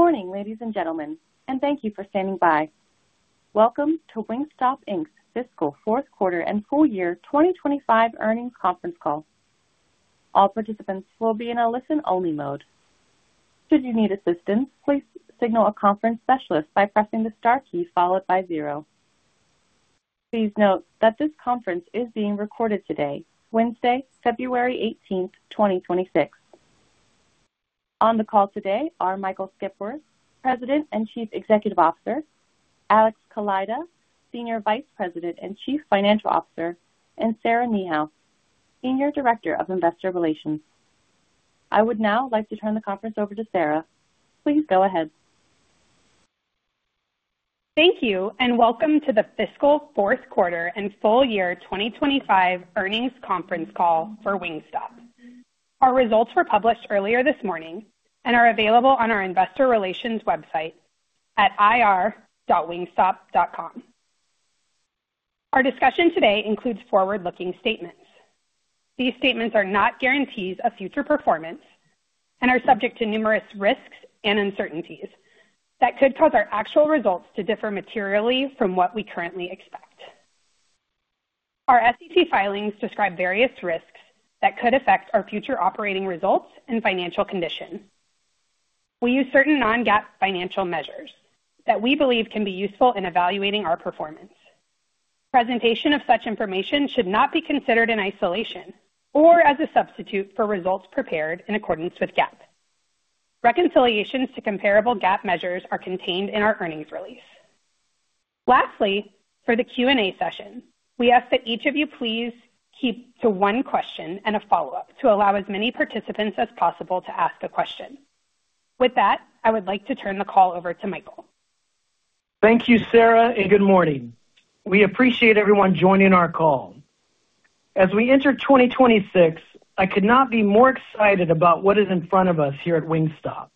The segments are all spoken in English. Good morning, ladies and gentlemen, and thank you for standing by. Welcome to Wingstop Inc.'s fiscal fourth quarter and full year 2025 earnings conference call. All participants will be in a listen-only mode. Should you need assistance, please signal a conference specialist by pressing the star key followed by zero. Please note that this conference is being recorded today, Wednesday, February 18th, 2026. On the call today are Michael Skipworth, President and Chief Executive Officer, Alex Kaleida, Senior Vice President and Chief Financial Officer, and Sarah Niehaus, Senior Director of Investor Relations. I would now like to turn the conference over to Sarah. Please go ahead. Thank you, and welcome to the fiscal fourth quarter and full year 2025 earnings conference call for Wingstop. Our results were published earlier this morning and are available on our investor relations website at ir.wingstop.com. Our discussion today includes forward-looking statements. These statements are not guarantees of future performance and are subject to numerous risks and uncertainties that could cause our actual results to differ materially from what we currently expect. Our SEC filings describe various risks that could affect our future operating results and financial condition. We use certain non-GAAP financial measures that we believe can be useful in evaluating our performance. Presentation of such information should not be considered in isolation or as a substitute for results prepared in accordance with GAAP. Reconciliations to comparable GAAP measures are contained in our earnings release. Lastly, for the Q&A session, we ask that each of you please keep to one question and a follow-up to allow as many participants as possible to ask a question. With that, I would like to turn the call over to Michael. Thank you, Sarah, and good morning. We appreciate everyone joining our call. As we enter 2026, I could not be more excited about what is in front of us here at Wingstop.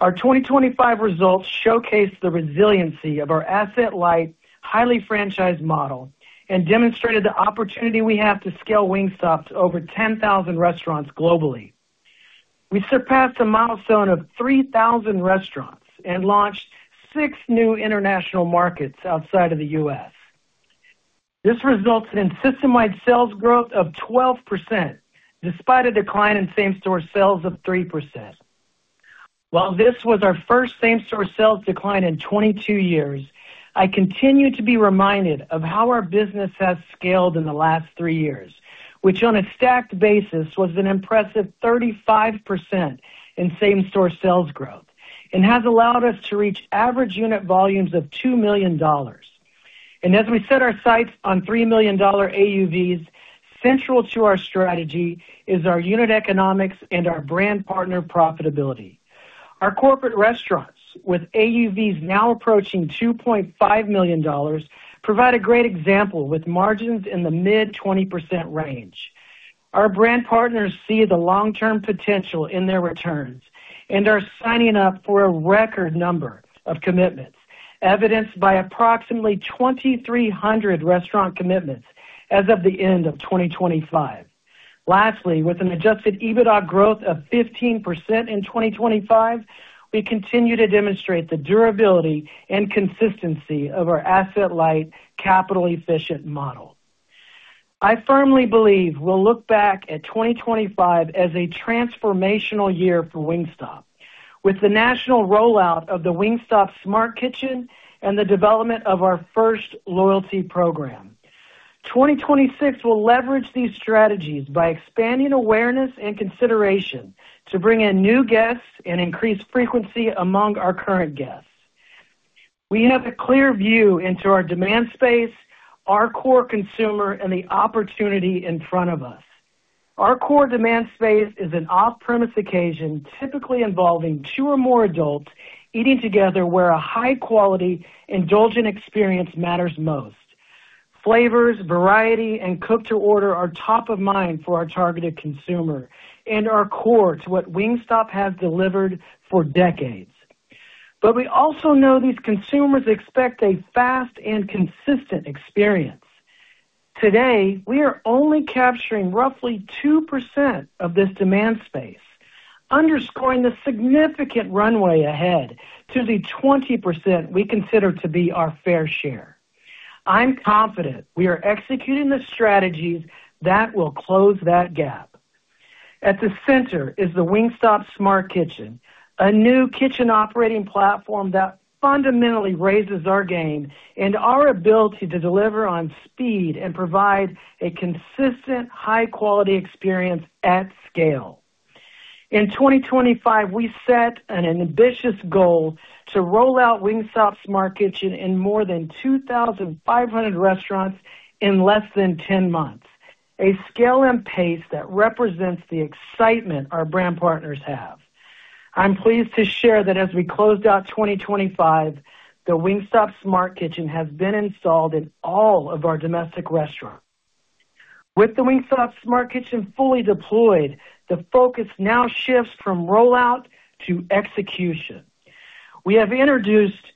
Our 2025 results showcased the resiliency of our asset-light, highly franchised model and demonstrated the opportunity we have to scale Wingstop to over 10,000 restaurants globally. We surpassed a milestone of 3,000 restaurants and launched six new international markets outside of the U.S. This resulted in system-wide sales growth of 12%, despite a decline in same-store sales of 3%. While this was our first same-store sales decline in 22 years, I continue to be reminded of how our business has scaled in the last three years, which on a stacked basis, was an impressive 35% in same-store sales growth and has allowed us to reach average unit volumes of $2 million. As we set our sights on $3 million AUVs, central to our strategy is our unit economics and our brand partner profitability. Our corporate restaurants, with AUVs now approaching $2.5 million, provide a great example, with margins in the mid-20% range. Our brand partners see the long-term potential in their returns and are signing up for a record number of commitments, evidenced by approximately 2,300 restaurant commitments as of the end of 2025. Lastly, with an adjusted EBITDA growth of 15% in 2025, we continue to demonstrate the durability and consistency of our asset-light, capital-efficient model. I firmly believe we'll look back at 2025 as a transformational year for Wingstop, with the national rollout of the Wingstop Smart Kitchen and the development of our first loyalty program. 2026 will leverage these strategies by expanding awareness and consideration to bring in new guests and increase frequency among our current guests. We have a clear view into our demand space, our core consumer, and the opportunity in front of us. Our core demand space is an off-premise occasion, typically involving two or more adults eating together, where a high-quality, indulgent experience matters most. Flavors, variety, and cook-to-order are top of mind for our targeted consumer and are core to what Wingstop has delivered for decades. But we also know these consumers expect a fast and consistent experience. Today, we are only capturing roughly 2% of this demand space, underscoring the significant runway ahead to the 20% we consider to be our fair share. I'm confident we are executing the strategies that will close that gap. At the center is the Wingstop Smart Kitchen, a new kitchen operating platform that fundamentally raises our game and our ability to deliver on speed and provide a consistent, high-quality experience at scale. In 2025, we set an ambitious goal to roll out Wingstop Smart Kitchen in more than 2,500 restaurants in less than 10 months, a scale and pace that represents the excitement our brand partners have. I'm pleased to share that as we closed out 2025, the Wingstop Smart Kitchen has been installed in all of our domestic restaurants. With the Wingstop Smart Kitchen fully deployed, the focus now shifts from rollout to execution. We have introduced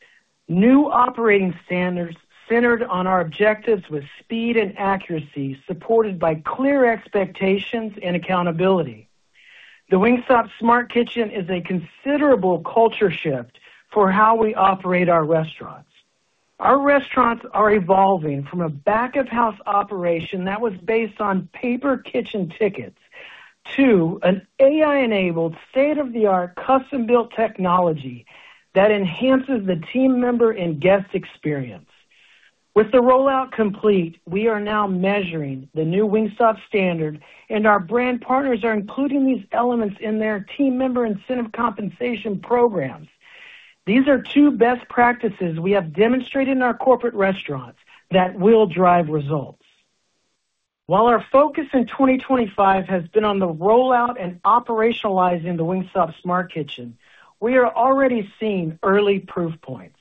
new operating standards centered on our objectives with speed and accuracy, supported by clear expectations and accountability. The Wingstop Smart Kitchen is a considerable culture shift for how we operate our restaurants. Our restaurants are evolving from a back-of-house operation that was based on paper kitchen tickets to an AI-enabled, state-of-the-art, custom-built technology that enhances the team member and guest experience. With the rollout complete, we are now measuring the new Wingstop standard, and our brand partners are including these elements in their team member incentive compensation programs. These are two best practices we have demonstrated in our corporate restaurants that will drive results. While our focus in 2025 has been on the rollout and operationalizing the Wingstop Smart Kitchen, we are already seeing early proof points.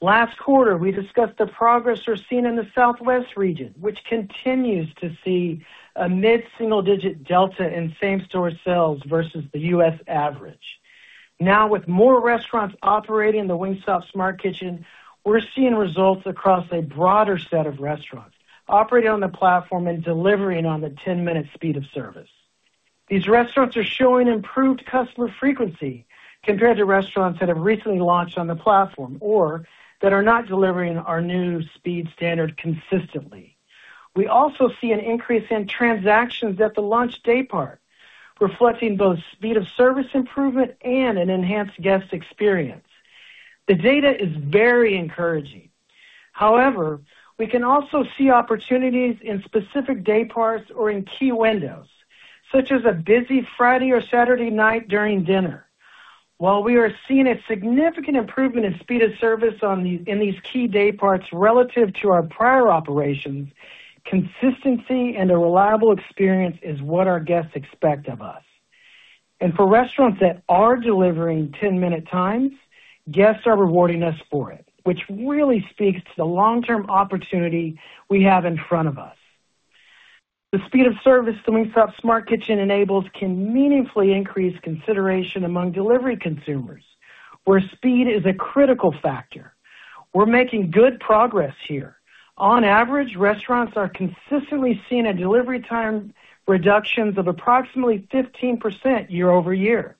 Last quarter, we discussed the progress we're seeing in the Southwest Region, which continues to see a mid-single-digit delta in same-store sales versus the U.S. average. Now, with more restaurants operating in the Wingstop Smart Kitchen, we're seeing results across a broader set of restaurants operating on the platform and delivering on the 10-minute speed of service. These restaurants are showing improved customer frequency compared to restaurants that have recently launched on the platform or that are not delivering our new speed standard consistently. We also see an increase in transactions at the lunch daypart, reflecting both speed of service improvement and an enhanced guest experience. The data is very encouraging. However, we can also see opportunities in specific dayparts or in key windows, such as a busy Friday or Saturday night during dinner. While we are seeing a significant improvement in speed of service on these in these key dayparts relative to our prior operations, consistency and a reliable experience is what our guests expect of us. For restaurants that are delivering 10-minute times, guests are rewarding us for it, which really speaks to the long-term opportunity we have in front of us. The speed of service the Wingstop Smart Kitchen enables can meaningfully increase consideration among delivery consumers, where speed is a critical factor. We're making good progress here. On average, restaurants are consistently seeing a delivery time reductions of approximately 15% year-over-year.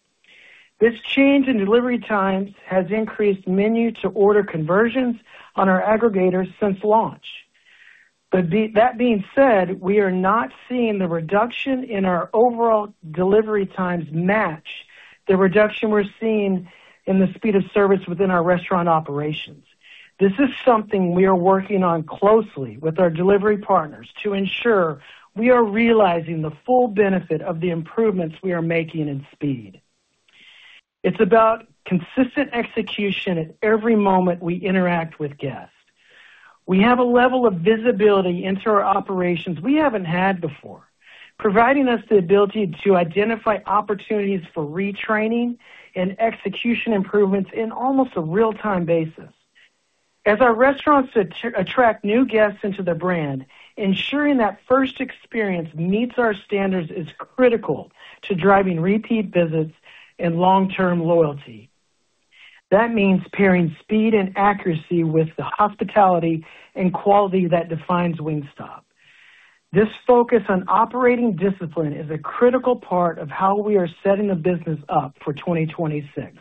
This change in delivery times has increased menu-to-order conversions on our aggregators since launch. But that being said, we are not seeing the reduction in our overall delivery times match the reduction we're seeing in the speed of service within our restaurant operations. This is something we are working on closely with our delivery partners to ensure we are realizing the full benefit of the improvements we are making in speed. It's about consistent execution at every moment we interact with guests. We have a level of visibility into our operations we haven't had before, providing us the ability to identify opportunities for retraining and execution improvements in almost a real-time basis. As our restaurants attract new guests into the brand, ensuring that first experience meets our standards is critical to driving repeat visits and long-term loyalty. That means pairing speed and accuracy with the hospitality and quality that defines Wingstop. This focus on operating discipline is a critical part of how we are setting the business up for 2026,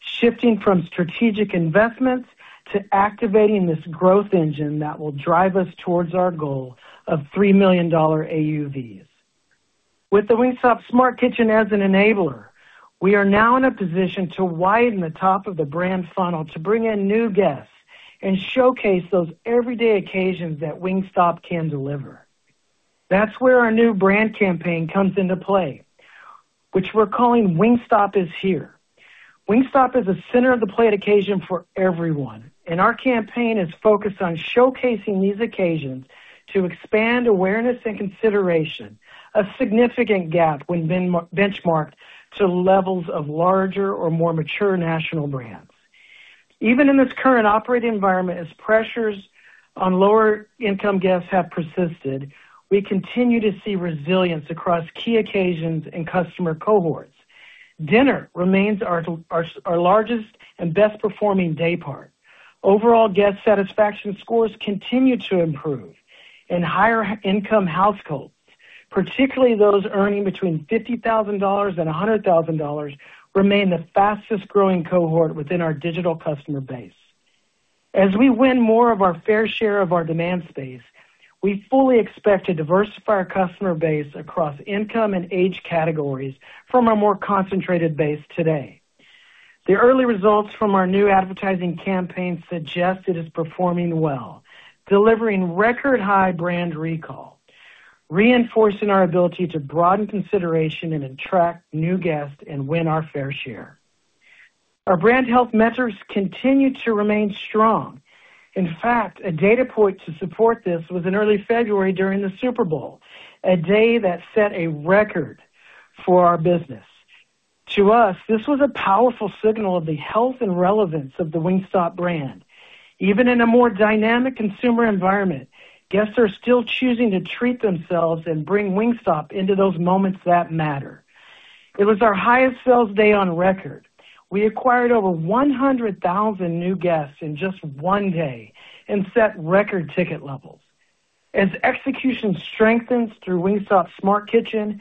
shifting from strategic investments to activating this growth engine that will drive us towards our goal of $3 million AUVs. With the Wingstop Smart Kitchen as an enabler, we are now in a position to widen the top of the brand funnel to bring in new guests and showcase those everyday occasions that Wingstop can deliver. That's where our new brand campaign comes into play, which we're calling Wingstop Is Here. Wingstop is a center-of-the-plate occasion for everyone, and our campaign is focused on showcasing these occasions to expand awareness and consideration, a significant gap when benchmarked to levels of larger or more mature national brands. Even in this current operating environment, as pressures on lower-income guests have persisted, we continue to see resilience across key occasions and customer cohorts. Dinner remains our largest and best performing daypart. Overall guest satisfaction scores continue to improve in higher income households, particularly those earning between $50,000 and $100,000 remain the fastest growing cohort within our digital customer base. As we win more of our fair share of our demand space, we fully expect to diversify our customer base across income and age categories from a more concentrated base today. The early results from our new advertising campaign suggest it is performing well, delivering record high brand recall, reinforcing our ability to broaden consideration and attract new guests and win our fair share. Our brand health metrics continue to remain strong. In fact, a data point to support this was in early February during the Super Bowl, a day that set a record for our business. To us, this was a powerful signal of the health and relevance of the Wingstop brand. Even in a more dynamic consumer environment, guests are still choosing to treat themselves and bring Wingstop into those moments that matter.... It was our highest sales day on record. We acquired over 100,000 new guests in just one day and set record ticket levels. As execution strengthens through Wingstop's Smart Kitchen,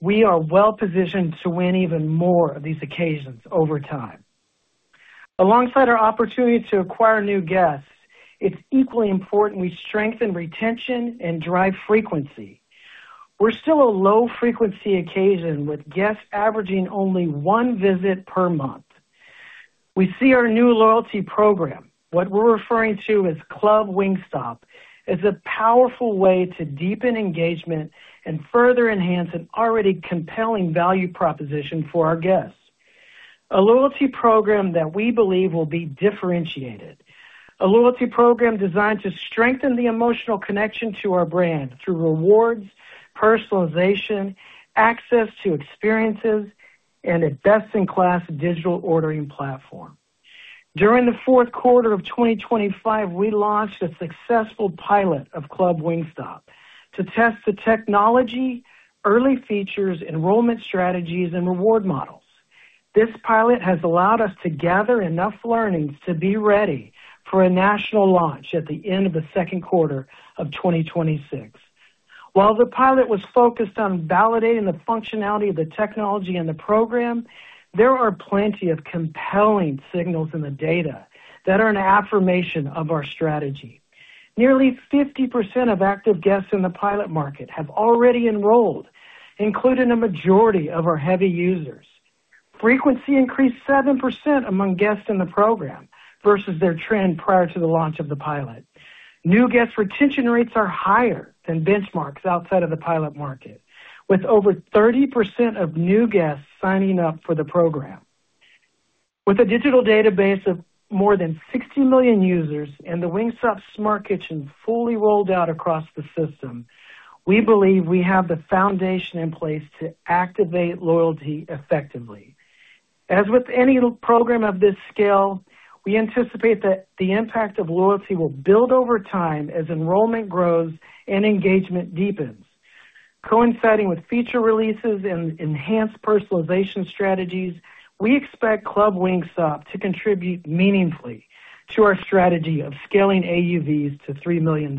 we are well-positioned to win even more of these occasions over time. Alongside our opportunity to acquire new guests, it's equally important we strengthen retention and drive frequency. We're still a low-frequency occasion, with guests averaging only one visit per month. We see our new loyalty program, what we're referring to as Club Wingstop, as a powerful way to deepen engagement and further enhance an already compelling value proposition for our guests. A loyalty program that we believe will be differentiated, a loyalty program designed to strengthen the emotional connection to our brand through rewards, personalization, access to experiences, and a best-in-class digital ordering platform. During the fourth quarter of 2025, we launched a successful pilot of Club Wingstop to test the technology, early features, enrollment strategies, and reward models. This pilot has allowed us to gather enough learnings to be ready for a national launch at the end of the second quarter of 2026. While the pilot was focused on validating the functionality of the technology and the program, there are plenty of compelling signals in the data that are an affirmation of our strategy. Nearly 50% of active guests in the pilot market have already enrolled, including a majority of our heavy users. Frequency increased 7% among guests in the program versus their trend prior to the launch of the pilot. New guest retention rates are higher than benchmarks outside of the pilot market, with over 30% of new guests signing up for the program. With a digital database of more than 60 million users and the Wingstop Smart Kitchen fully rolled out across the system, we believe we have the foundation in place to activate loyalty effectively. As with any program of this scale, we anticipate that the impact of loyalty will build over time as enrollment grows and engagement deepens. Coinciding with feature releases and enhanced personalization strategies, we expect Club Wingstop to contribute meaningfully to our strategy of scaling AUVs to $3 million.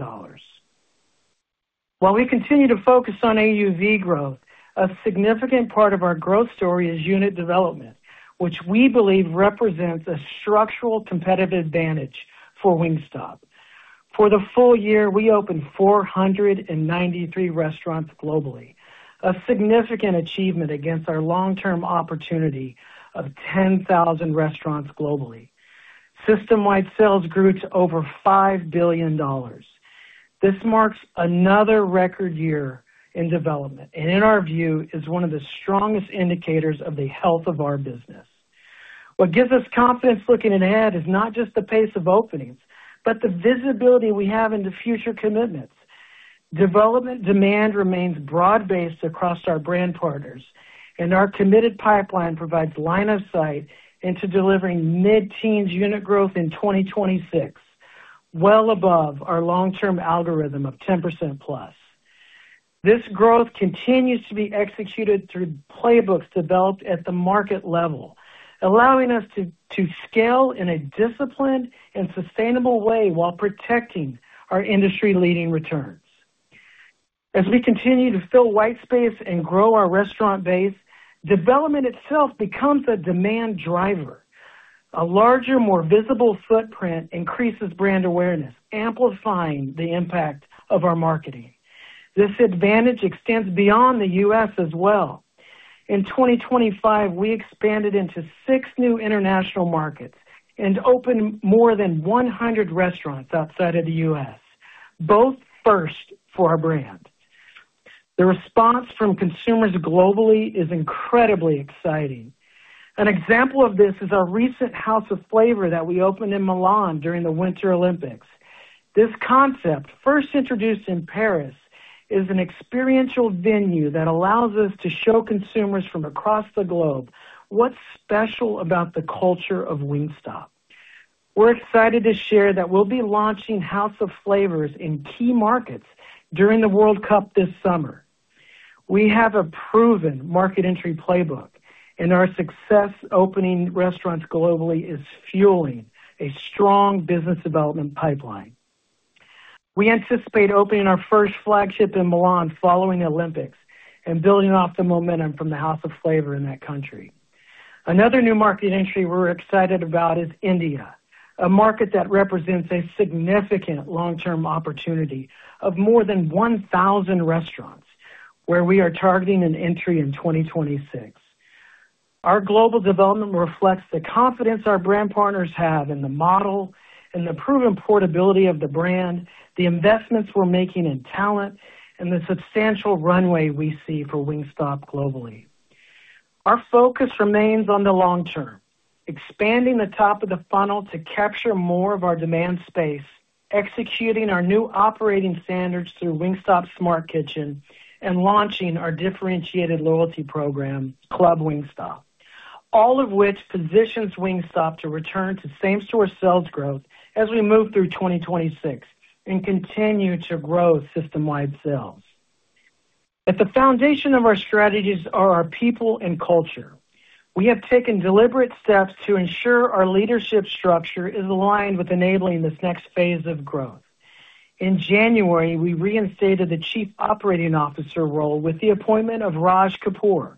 While we continue to focus on AUV growth, a significant part of our growth story is unit development, which we believe represents a structural competitive advantage for Wingstop. For the full year, we opened 493 restaurants globally, a significant achievement against our long-term opportunity of 10,000 restaurants globally. System-wide sales grew to over $5 billion. This marks another record year in development and, in our view, is one of the strongest indicators of the health of our business. What gives us confidence looking ahead is not just the pace of openings, but the visibility we have into future commitments. Development demand remains broad-based across our brand partners, and our committed pipeline provides line of sight into delivering mid-teens unit growth in 2026, well above our long-term algorithm of 10%+. This growth continues to be executed through playbooks developed at the market level, allowing us to scale in a disciplined and sustainable way while protecting our industry-leading returns. As we continue to fill white space and grow our restaurant base, development itself becomes a demand driver. A larger, more visible footprint increases brand awareness, amplifying the impact of our marketing. This advantage extends beyond the U.S. as well. In 2025, we expanded into six new international markets and opened more than 100 restaurants outside of the U.S., both first for our brand. The response from consumers globally is incredibly exciting. An example of this is our recent House of Flavor that we opened in Milan during the Winter Olympics. This concept, first introduced in Paris, is an experiential venue that allows us to show consumers from across the globe what's special about the culture of Wingstop. We're excited to share that we'll be launching House of Flavor in key markets during the World Cup this summer. We have a proven market entry playbook, and our success opening restaurants globally is fueling a strong business development pipeline. We anticipate opening our first flagship in Milan following the Olympics and building off the momentum from the House of Flavor in that country. Another new market entry we're excited about is India, a market that represents a significant long-term opportunity of more than 1,000 restaurants, where we are targeting an entry in 2026. Our global development reflects the confidence our brand partners have in the model and the proven portability of the brand, the investments we're making in talent, and the substantial runway we see for Wingstop globally. Our focus remains on the long term, expanding the top of the funnel to capture more of our demand space, executing our new operating standards through Wingstop Smart Kitchen, and launching our differentiated loyalty program, Club Wingstop... all of which positions Wingstop to return to same-store sales growth as we move through 2026 and continue to grow system-wide sales. At the foundation of our strategies are our people and culture. We have taken deliberate steps to ensure our leadership structure is aligned with enabling this next phase of growth. In January, we reinstated the Chief Operating Officer role with the appointment of Raj Kapoor.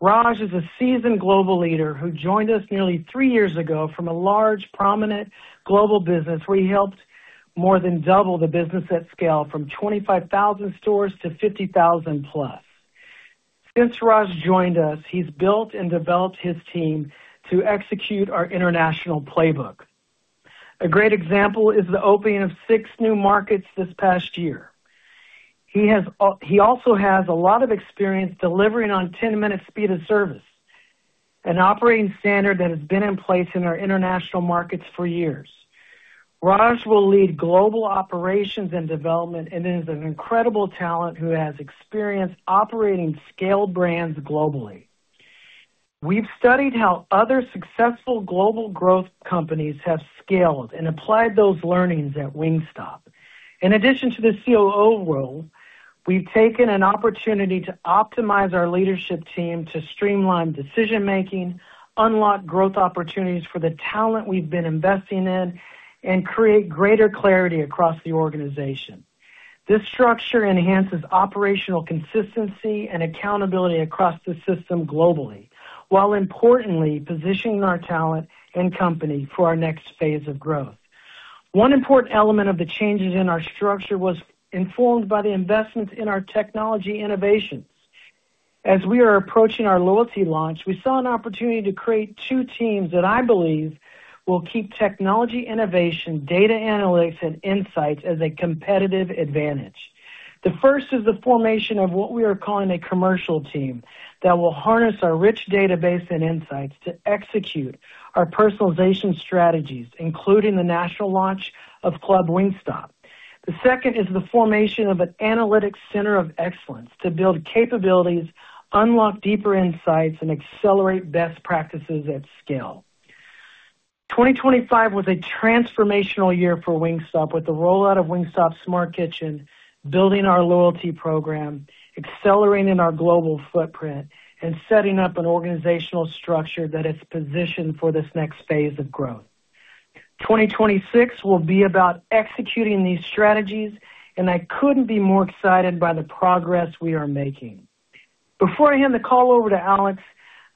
Raj is a seasoned global leader who joined us nearly three years ago from a large, prominent global business, where he helped more than double the business at scale from 25,000 stores to 50,000+. Since Raj joined us, he's built and developed his team to execute our international playbook. A great example is the opening of six new markets this past year. He also has a lot of experience delivering on 10-minute speed of service, an operating standard that has been in place in our international markets for years. Raj will lead global operations and development and is an incredible talent who has experience operating scale brands globally. We've studied how other successful global growth companies have scaled and applied those learnings at Wingstop. In addition to the COO role, we've taken an opportunity to optimize our leadership team to streamline decision making, unlock growth opportunities for the talent we've been investing in, and create greater clarity across the organization. This structure enhances operational consistency and accountability across the system globally, while importantly positioning our talent and company for our next phase of growth. One important element of the changes in our structure was informed by the investments in our technology innovations. As we are approaching our loyalty launch, we saw an opportunity to create two teams that I believe will keep technology, innovation, data analytics, and insights as a competitive advantage. The first is the formation of what we are calling a commercial team, that will harness our rich database and insights to execute our personalization strategies, including the national launch of Club Wingstop. The second is the formation of an analytics center of excellence to build capabilities, unlock deeper insights, and accelerate best practices at scale. 2025 was a transformational year for Wingstop, with the rollout of Wingstop Smart Kitchen, building our loyalty program, accelerating our global footprint, and setting up an organizational structure that is positioned for this next phase of growth. 2026 will be about executing these strategies, and I couldn't be more excited by the progress we are making. Before I hand the call over to Alex,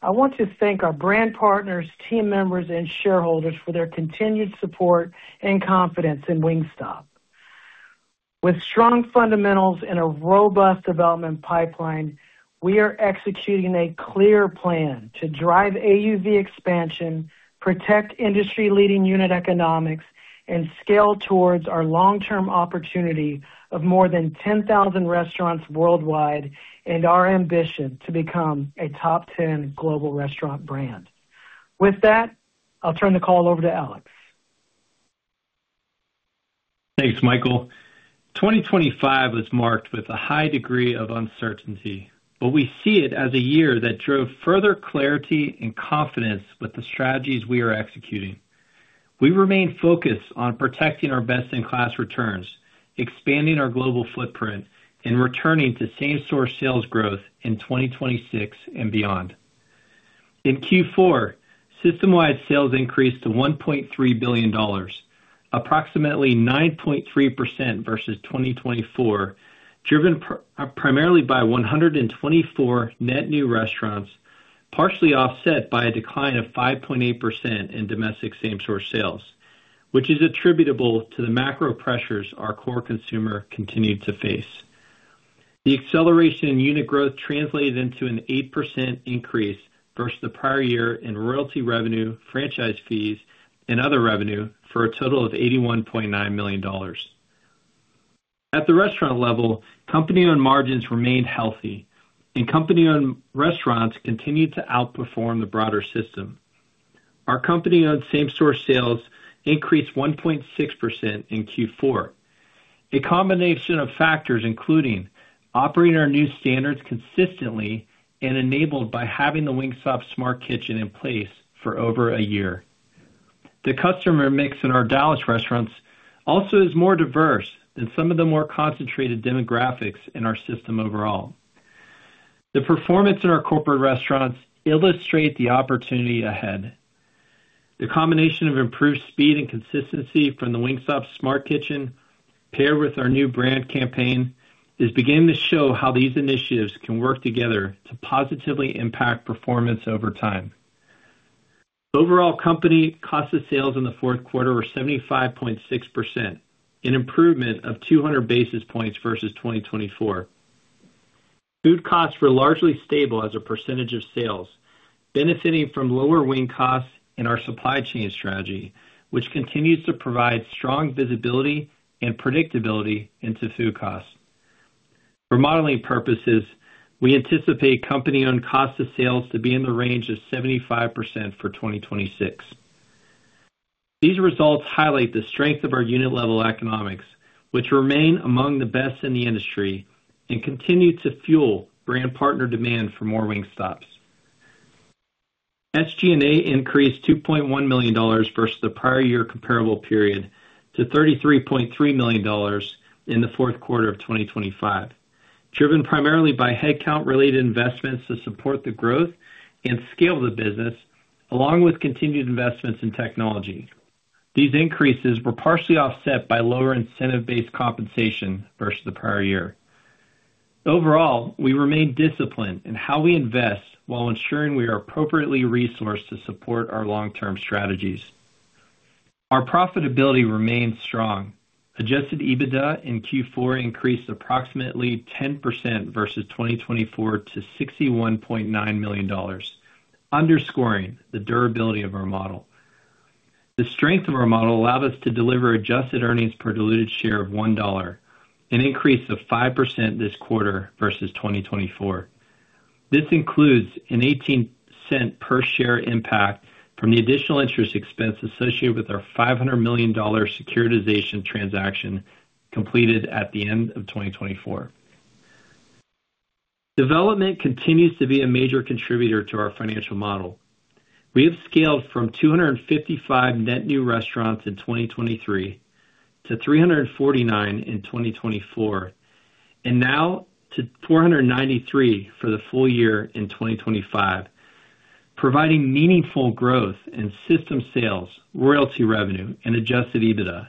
I want to thank our brand partners, team members, and shareholders for their continued support and confidence in Wingstop. With strong fundamentals and a robust development pipeline, we are executing a clear plan to drive AUV expansion, protect industry-leading unit economics, and scale towards our long-term opportunity of more than 10,000 restaurants worldwide and our ambition to become a top 10 global restaurant brand. With that, I'll turn the call over to Alex. Thanks, Michael. 2025 was marked with a high degree of uncertainty, but we see it as a year that drove further clarity and confidence with the strategies we are executing. We remain focused on protecting our best-in-class returns, expanding our global footprint, and returning to same-store sales growth in 2026 and beyond. In Q4, system-wide sales increased to $1.3 billion, approximately 9.3% versus 2024, driven primarily by 124 net new restaurants, partially offset by a decline of 5.8% in domestic same-store sales, which is attributable to the macro pressures our core consumer continued to face. The acceleration in unit growth translated into an 8% increase versus the prior year in royalty revenue, franchise fees, and other revenue for a total of $81.9 million. At the restaurant level, company-owned margins remained healthy and company-owned restaurants continued to outperform the broader system. Our company-owned same-store sales increased 1.6% in Q4. A combination of factors, including operating our new standards consistently and enabled by having the Wingstop Smart Kitchen in place for over a year. The customer mix in our Dallas restaurants also is more diverse than some of the more concentrated demographics in our system overall. The performance in our corporate restaurants illustrate the opportunity ahead. The combination of improved speed and consistency from the Wingstop Smart Kitchen, paired with our new brand campaign, is beginning to show how these initiatives can work together to positively impact performance over time. Overall, company cost of sales in the fourth quarter were 75.6%, an improvement of 200 basis points versus 2024. Food costs were largely stable as a percentage of sales, benefiting from lower wing costs and our supply chain strategy, which continues to provide strong visibility and predictability into food costs. For modeling purposes, we anticipate company-owned cost of sales to be in the range of 75% for 2026. These results highlight the strength of our unit level economics, which remain among the best in the industry and continue to fuel brand partner demand for more Wingstop. SG&A increased $2.1 million versus the prior year comparable period to $33.3 million in the fourth quarter of 2025, driven primarily by headcount-related investments to support the growth and scale of the business, along with continued investments in technology. These increases were partially offset by lower incentive-based compensation versus the prior year. Overall, we remain disciplined in how we invest while ensuring we are appropriately resourced to support our long-term strategies. Our profitability remains strong. Adjusted EBITDA in Q4 increased approximately 10% versus 2024 to $61.9 million, underscoring the durability of our model. The strength of our model allowed us to deliver adjusted earnings per diluted share of $1, an increase of 5% this quarter versus 2024. This includes an $0.18 per share impact from the additional interest expense associated with our $500 million securitization transaction completed at the end of 2024. Development continues to be a major contributor to our financial model. We have scaled from 255 net new restaurants in 2023 to 349 in 2024, and now to 493 for the full year in 2025, providing meaningful growth in system sales, royalty revenue and adjusted EBITDA.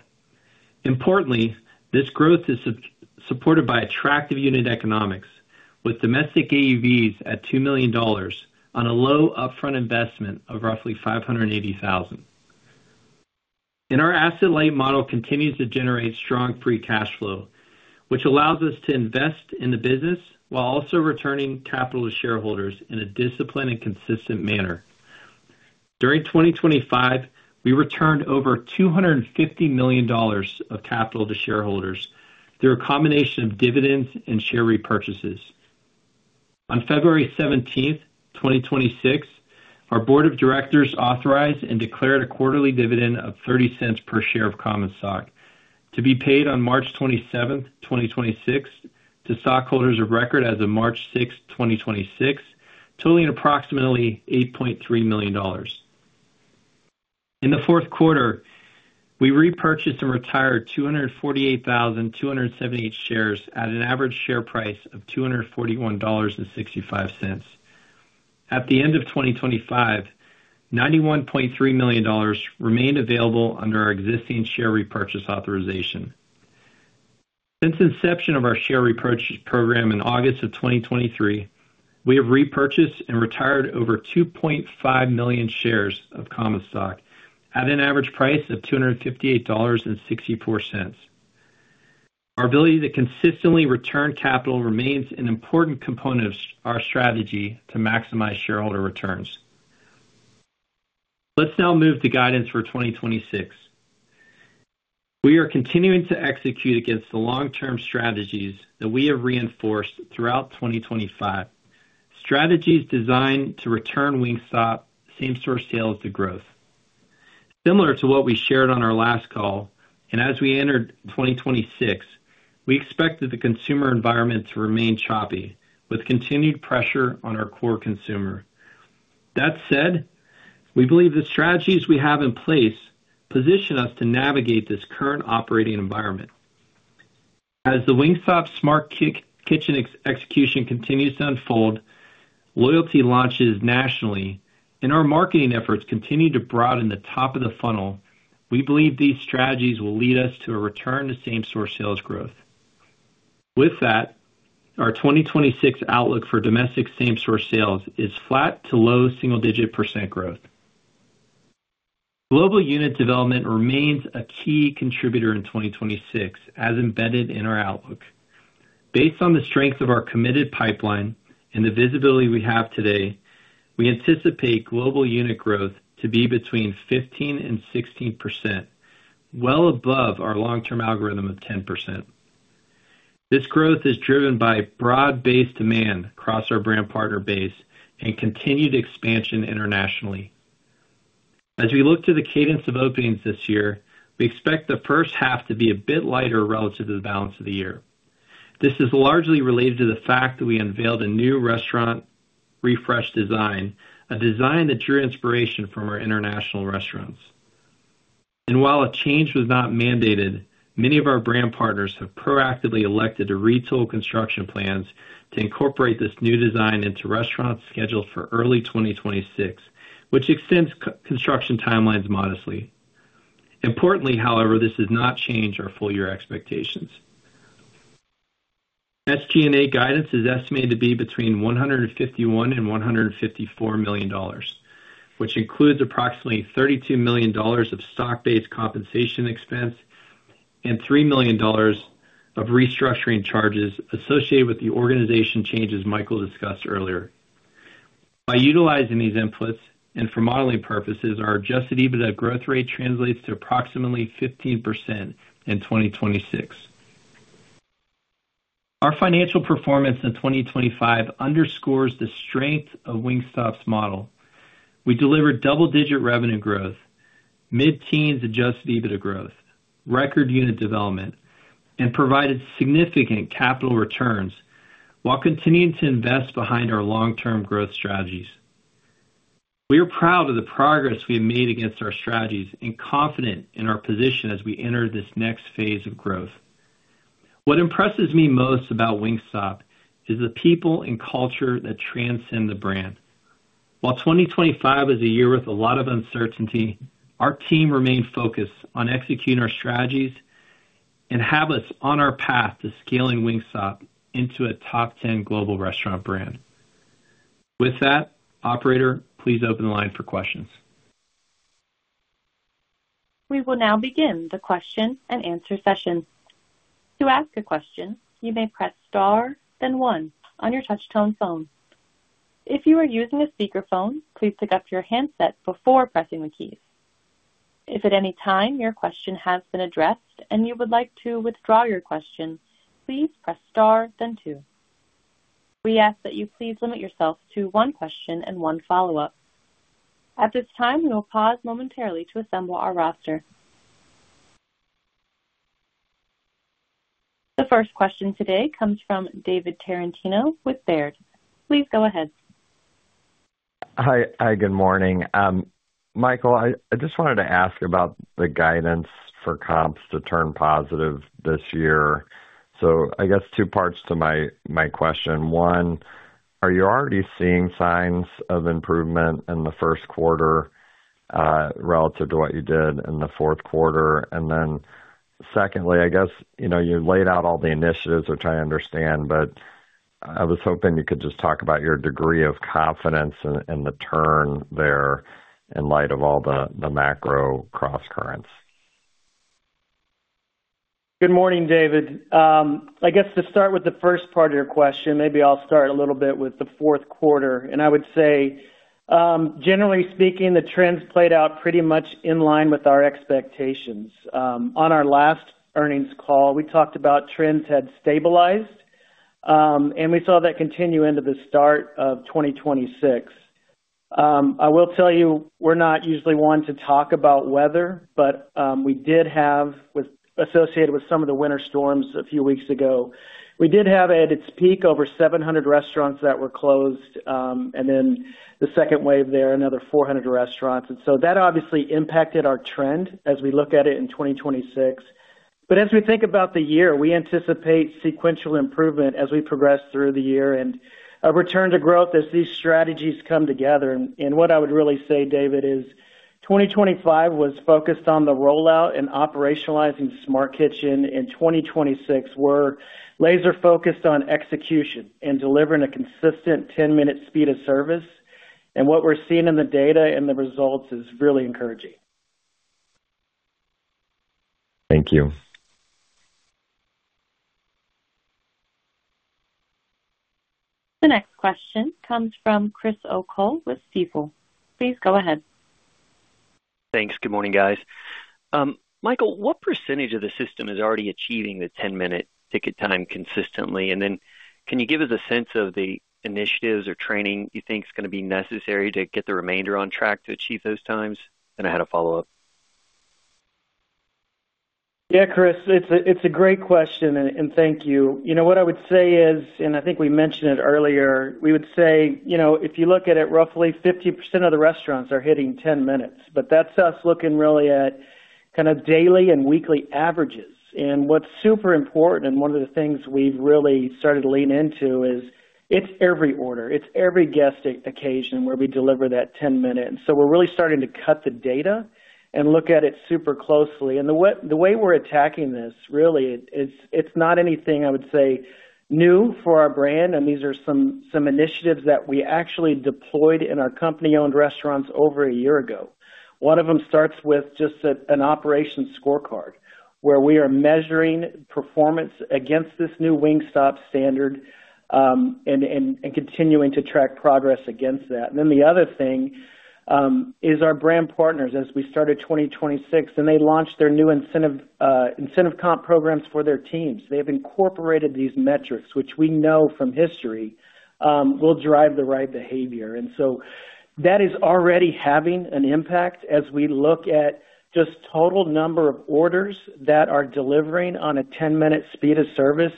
Importantly, this growth is supported by attractive unit economics, with domestic AUVs at $2 million on a low upfront investment of roughly $580,000. And our asset-light model continues to generate strong free cash flow, which allows us to invest in the business while also returning capital to shareholders in a disciplined and consistent manner. During 2025, we returned over $250 million of capital to shareholders through a combination of dividends and share repurchases. On February 17th, 2026, our board of directors authorized and declared a quarterly dividend of $0.30 per share of common stock to be paid on March 27th, 2026, to stockholders of record as of March 6, 2026, totaling approximately $8.3 million. In the fourth quarter, we repurchased and retired 248,278 shares at an average share price of $241.65. At the end of 2025, $91.3 million remained available under our existing share repurchase authorization. Since inception of our share repurchase program in August 2023, we have repurchased and retired over 2.5 million shares of common stock at an average price of $258.64. Our ability to consistently return capital remains an important component of our strategy to maximize shareholder returns. Let's now move to guidance for 2026. We are continuing to execute against the long-term strategies that we have reinforced throughout 2025, strategies designed to return Wingstop same-store sales to growth. Similar to what we shared on our last call, and as we entered 2026, we expected the consumer environment to remain choppy, with continued pressure on our core consumer. That said, we believe the strategies we have in place position us to navigate this current operating environment. As the Wingstop Smart Kitchen execution continues to unfold, loyalty launches nationally, and our marketing efforts continue to broaden the top of the funnel, we believe these strategies will lead us to a return to same-store sales growth. With that, our 2026 outlook for domestic same-store sales is flat to low-single-digit percent growth. Global unit development remains a key contributor in 2026, as embedded in our outlook. Based on the strength of our committed pipeline and the visibility we have today, we anticipate global unit growth to be between 15% and 16%, well above our long-term algorithm of 10%. This growth is driven by broad-based demand across our brand partner base and continued expansion internationally. As we look to the cadence of openings this year, we expect the first half to be a bit lighter relative to the balance of the year. This is largely related to the fact that we unveiled a new restaurant refresh design, a design that drew inspiration from our international restaurants. While a change was not mandated, many of our brand partners have proactively elected to retool construction plans to incorporate this new design into restaurants scheduled for early 2026, which extends construction timelines modestly. Importantly, however, this does not change our full-year expectations. SG&A guidance is estimated to be between $151 million and $154 million, which includes approximately $32 million of stock-based compensation expense and $3 million of restructuring charges associated with the organizational changes Michael discussed earlier. By utilizing these inputs, and for modeling purposes, our adjusted EBITDA growth rate translates to approximately 15% in 2026. ...Our financial performance in 2025 underscores the strength of Wingstop's model. We delivered double-digit revenue growth, mid-teens adjusted EBITDA growth, record unit development, and provided significant capital returns while continuing to invest behind our long-term growth strategies. We are proud of the progress we have made against our strategies and confident in our position as we enter this next phase of growth. What impresses me most about Wingstop is the people and culture that transcend the brand. While 2025 is a year with a lot of uncertainty, our team remained focused on executing our strategies and have us on our path to scaling Wingstop into a top 10 global restaurant brand. With that, operator, please open the line for questions. We will now begin the question and answer session. To ask a question, you may press Star, then one on your touchtone phone. If you are using a speakerphone, please pick up your handset before pressing the keys. If at any time your question has been addressed and you would like to withdraw your question, please press Star then two. We ask that you please limit yourself to one question and one follow-up. At this time, we will pause momentarily to assemble our roster. The first question today comes from David Tarantino with Baird. Please go ahead. Hi. Hi, good morning. Michael, I just wanted to ask about the guidance for comps to turn positive this year. So I guess two parts to my question. One, are you already seeing signs of improvement in the first quarter relative to what you did in the fourth quarter? And then secondly, I guess, you know, you laid out all the initiatives, which I understand, but I was hoping you could just talk about your degree of confidence in the turn there in light of all the macro crosscurrents. Good morning, David. I guess to start with the first part of your question, maybe I'll start a little bit with the fourth quarter, and I would say, generally speaking, the trends played out pretty much in line with our expectations. On our last earnings call, we talked about trends had stabilized, and we saw that continue into the start of 2026. I will tell you, we're not usually one to talk about weather, but, associated with some of the winter storms a few weeks ago, we did have, at its peak, over 700 restaurants that were closed, and then the second wave there, another 400 restaurants. And so that obviously impacted our trend as we look at it in 2026. As we think about the year, we anticipate sequential improvement as we progress through the year and a return to growth as these strategies come together. What I would really say, David, is 2025 was focused on the rollout and operationalizing Smart Kitchen. In 2026, we're laser focused on execution and delivering a consistent 10-minute speed of service. What we're seeing in the data and the results is really encouraging. Thank you. The next question comes from Chris O'Cull with Stifel. Please go ahead. Thanks. Good morning, guys. Michael, what percentage of the system is already achieving the 10-minute ticket time consistently? Then can you give us a sense of the initiatives or training you think is going to be necessary to get the remainder on track to achieve those times? I had a follow-up. Yeah, Chris, it's a great question, and thank you. You know, what I would say is, and I think we mentioned it earlier, we would say, you know, if you look at it, roughly 50% of the restaurants are hitting 10 minutes, but that's us looking really at kind of daily and weekly averages. And what's super important, and one of the things we've really started to lean into, is it's every order, it's every guest occasion where we deliver that 10 minutes. So we're really starting to cut the data and look at it super closely. And the way we're attacking this, really, it's not anything I would say new for our brand. I mean, these are some initiatives that we actually deployed in our company-owned restaurants over a year ago. One of them starts with just an operations scorecard, where we are measuring performance against this new Wingstop standard, and continuing to track progress against that. Then the other thing is our brand partners. As we started 2026 and they launched their new incentive comp programs for their teams, they have incorporated these metrics, which we know from history will drive the right behavior. And so that is already having an impact as we look at just total number of orders that are delivering on a 10-minute speed of service.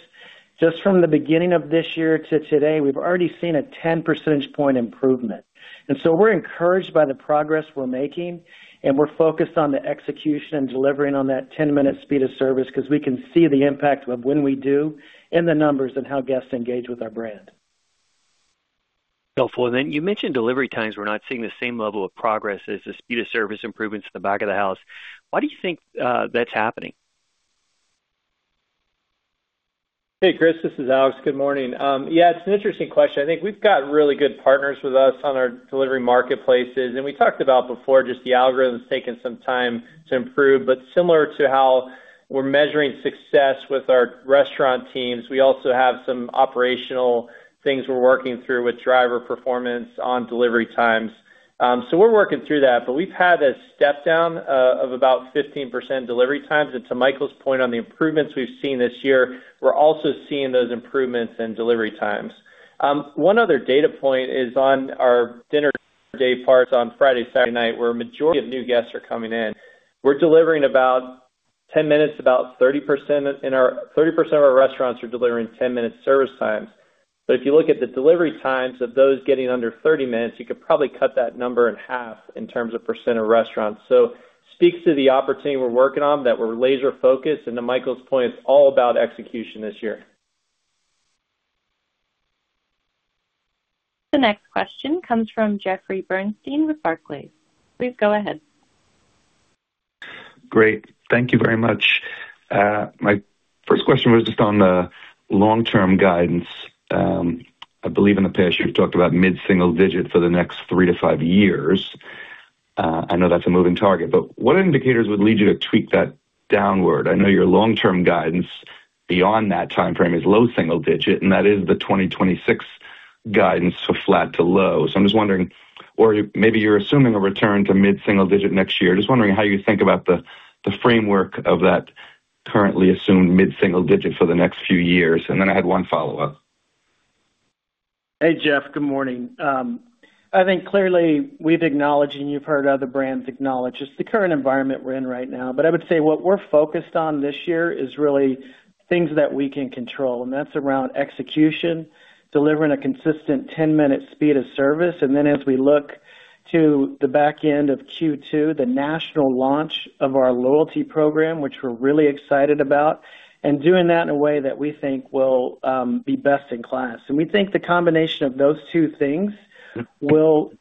Just from the beginning of this year to today, we've already seen a 10 percentage point improvement. We're encouraged by the progress we're making, and we're focused on the execution and delivering on that 10-minute speed of service because we can see the impact of when we do and the numbers and how guests engage with our brand. Helpful. Then you mentioned delivery times. We're not seeing the same level of progress as the speed of service improvements in the back of the house. Why do you think that's happening? Hey, Chris, this is Alex. Good morning. Yeah, it's an interesting question. I think we've got really good partners with us on our delivery marketplaces, and we talked about before just the algorithms taking some time to improve. But similar to how we're measuring success with our restaurant teams, we also have some operational things we're working through with driver performance on delivery times. So we're working through that, but we've had a step down of about 15% delivery times. And to Michael's point on the improvements we've seen this year, we're also seeing those improvements in delivery times. One other data point is on our dinner dayparts on Friday, Saturday night, where a majority of new guests are coming in. We're delivering about-... 10 minutes, about 30% of our restaurants are delivering 10-minute service times. But if you look at the delivery times of those getting under 30 minutes, you could probably cut that number in half in terms of percent of restaurants. So speaks to the opportunity we're working on, that we're laser focused, and to Michael's point, it's all about execution this year. The next question comes from Jeffrey Bernstein with Barclays. Please go ahead. Great. Thank you very much. My first question was just on the long-term guidance. I believe in the past, you've talked about mid-single-digit for the next three to five years. I know that's a moving target, but what indicators would lead you to tweak that downward? I know your long-term guidance beyond that timeframe is low single-digit, and that is the 2026 guidance for flat to low. So I'm just wondering, or maybe you're assuming a return to mid-single-digit next year. Just wondering how you think about the framework of that currently assumed mid-single-digit for the next few years. And then I had one follow-up. Hey, Jeff, good morning. I think clearly we've acknowledged, and you've heard other brands acknowledge, it's the current environment we're in right now. But I would say what we're focused on this year is really things that we can control, and that's around execution, delivering a consistent 10-minute speed of service. And then as we look to the back end of Q2, the national launch of our loyalty program, which we're really excited about, and doing that in a way that we think will be best-in-class. And we think the combination of those two things will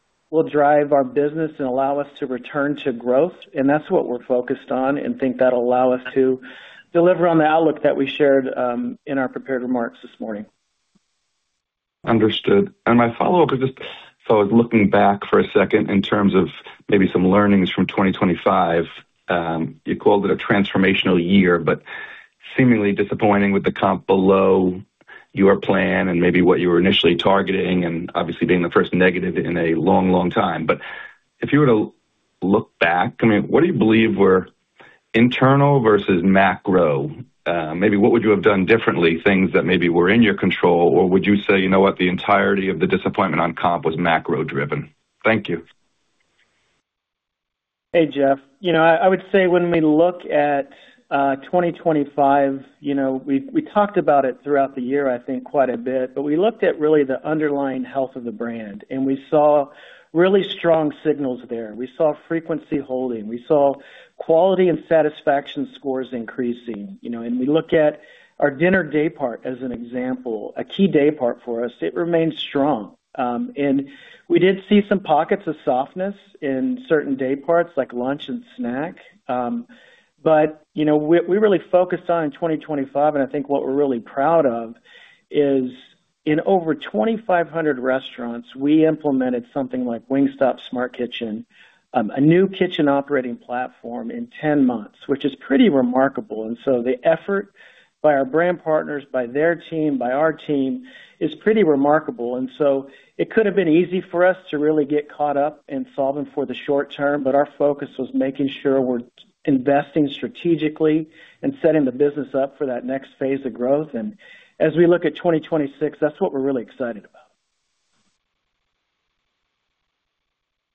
drive our business and allow us to return to growth, and that's what we're focused on and think that'll allow us to deliver on the outlook that we shared in our prepared remarks this morning. Understood. And my follow-up is just, so looking back for a second in terms of maybe some learnings from 2025, you called it a transformational year, but seemingly disappointing with the comp below your plan and maybe what you were initially targeting, and obviously being the first negative in a long, long time. But if you were to look back, I mean, what do you believe were internal versus macro? Maybe what would you have done differently, things that maybe were in your control? Or would you say, you know what? The entirety of the disappointment on comp was macro-driven. Thank you. Hey, Jeff. You know, I would say when we look at 2025, you know, we talked about it throughout the year, I think, quite a bit, but we looked at really the underlying health of the brand, and we saw really strong signals there. We saw frequency holding. We saw quality and satisfaction scores increasing, you know, and we look at our dinner daypart as an example, a key daypart for us; it remains strong. And we did see some pockets of softness in certain dayparts, like lunch and snack. But, you know, we really focused on in 2025, and I think what we're really proud of is in over 2,500 restaurants, we implemented something like Wingstop Smart Kitchen, a new kitchen operating platform in 10 months, which is pretty remarkable. So the effort by our brand partners, by their team, by our team is pretty remarkable. So it could have been easy for us to really get caught up in solving for the short term, but our focus was making sure we're investing strategically and setting the business up for that next phase of growth. And as we look at 2026, that's what we're really excited about.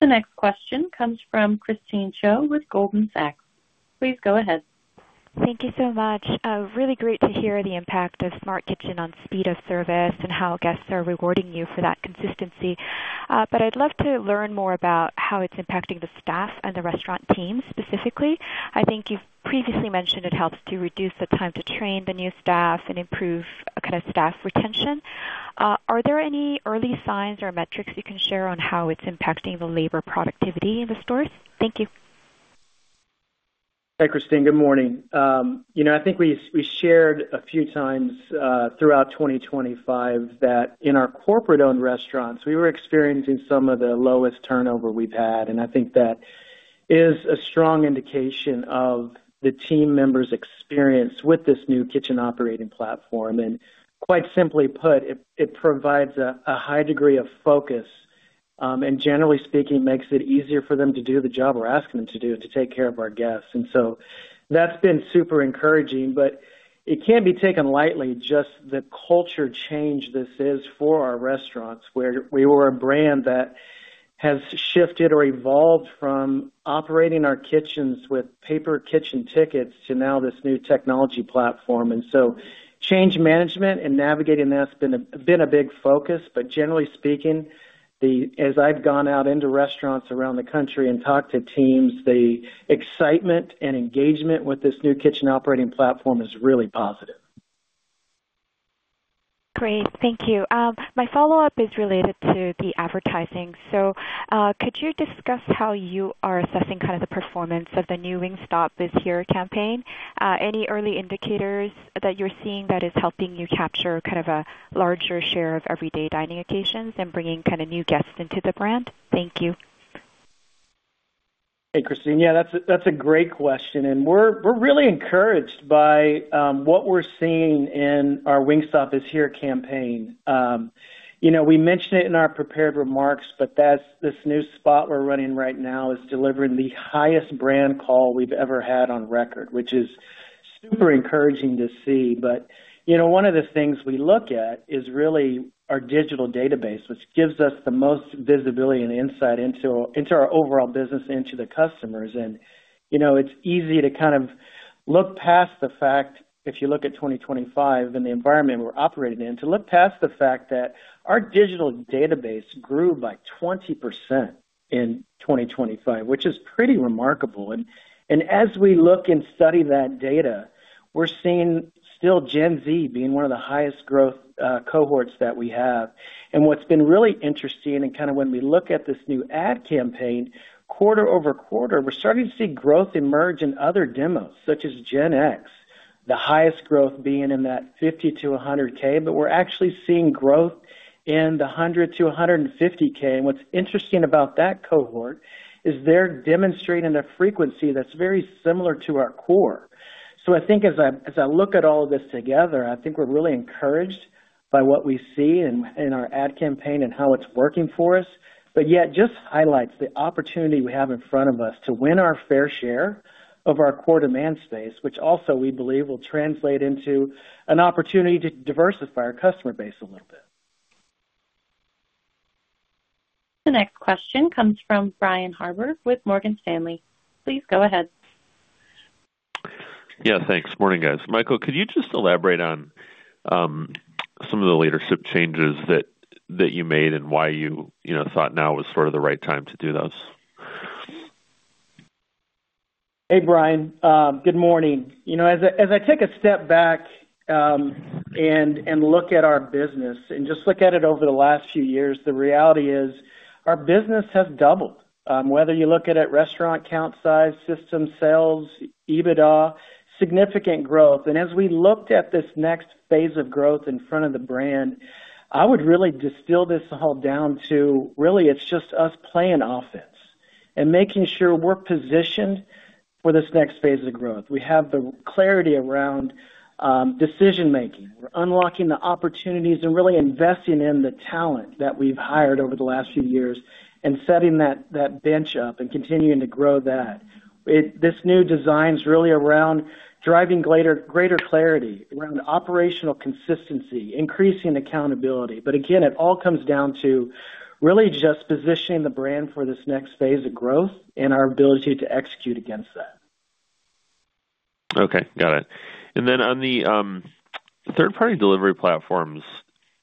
The next question comes from Christine Cho with Goldman Sachs. Please go ahead. Thank you so much. Really great to hear the impact of Smart Kitchen on speed of service and how guests are rewarding you for that consistency. But I'd love to learn more about how it's impacting the staff and the restaurant team specifically. I think you've previously mentioned it helps to reduce the time to train the new staff and improve kind of staff retention. Are there any early signs or metrics you can share on how it's impacting the labor productivity in the stores? Thank you. Hi, Christine. Good morning. You know, I think we shared a few times throughout 2025 that in our corporate-owned restaurants, we were experiencing some of the lowest turnover we've had, and I think that is a strong indication of the team members' experience with this new kitchen operating platform. And quite simply put, it provides a high degree of focus, and generally speaking, makes it easier for them to do the job we're asking them to do, to take care of our guests. And so that's been super encouraging, but it can't be taken lightly, just the culture change this is for our restaurants, where we were a brand that has shifted or evolved from operating our kitchens with paper kitchen tickets to now this new technology platform. And so change management and navigating that has been a big focus, but generally speaking, as I've gone out into restaurants around the country and talked to teams, the excitement and engagement with this new kitchen operating platform is really positive. Great. Thank you. My follow-up is related to the advertising. So, could you discuss how you are assessing kind of the performance of the new Wingstop Is Here campaign? Any early indicators that you're seeing that is helping you capture kind of a larger share of everyday dining occasions and bringing kind of new guests into the brand? Thank you. Hey, Christine. Yeah, that's a great question, and we're really encouraged by what we're seeing in our Wingstop Is Here campaign. You know, we mentioned it in our prepared remarks, but that's this new spot we're running right now is delivering the highest brand call we've ever had on record, which is super encouraging to see. But, you know, one of the things we look at is really our digital database, which gives us the most visibility and insight into our overall business and to the customers. And, you know, it's easy to kind of look past the fact, if you look at 2025 and the environment we're operating in, to look past the fact that our digital database grew by 20% in 2025, which is pretty remarkable. As we look and study that data, we're seeing still Gen Z being one of the highest growth cohorts that we have. And what's been really interesting and kind of when we look at this new ad campaign, quarter-over-quarter, we're starting to see growth emerge in other demos, such as Gen X, the highest growth being in that $50K-$100K. But we're actually seeing growth in the $100K-$150K. And what's interesting about that cohort is they're demonstrating a frequency that's very similar to our core. I think as I look at all of this together, I think we're really encouraged by what we see in our ad campaign and how it's working for us, but yet just highlights the opportunity we have in front of us to win our fair share of our core demand space, which also we believe will translate into an opportunity to diversify our customer base a little bit. The next question comes from Brian Harbour with Morgan Stanley. Please go ahead. Yeah, thanks. Morning, guys. Michael, could you just elaborate on some of the leadership changes that you made and why you, you know, thought now was sort of the right time to do those? Hey, Brian, good morning. You know, as I take a step back and look at our business and just look at it over the last few years, the reality is our business has doubled. Whether you look at it restaurant count, size, system sales, EBITDA, significant growth. And as we looked at this next phase of growth in front of the brand, I would really distill this all down to really it's just us playing offense and making sure we're positioned for this next phase of growth. We have the clarity around decision making. We're unlocking the opportunities and really investing in the talent that we've hired over the last few years and setting that bench up and continuing to grow that. This new design is really around driving greater clarity around operational consistency, increasing accountability. But again, it all comes down to really just positioning the brand for this next phase of growth and our ability to execute against that. Okay, got it. And then on the third-party delivery platforms,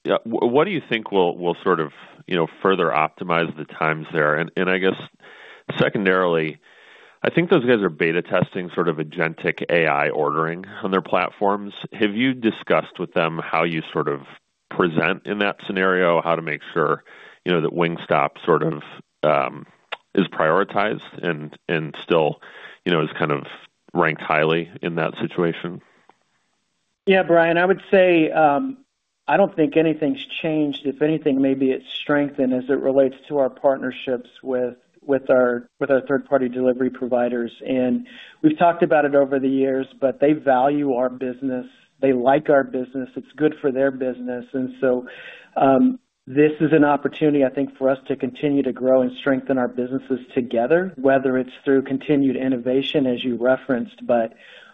yeah, what do you think will sort of, you know, further optimize the times there? And, and I guess secondarily, I think those guys are beta testing, sort of agentic AI ordering on their platforms. Have you discussed with them how you sort of present in that scenario, how to make sure, you know, that Wingstop sort of is prioritized and, and still, you know, is kind of ranked highly in that situation? Yeah, Brian, I would say I don't think anything's changed. If anything, maybe it's strengthened as it relates to our partnerships with our third-party delivery providers. And we've talked about it over the years, but they value our business, they like our business, it's good for their business. And so this is an opportunity, I think, for us to continue to grow and strengthen our businesses together, whether it's through continued innovation, as you referenced. But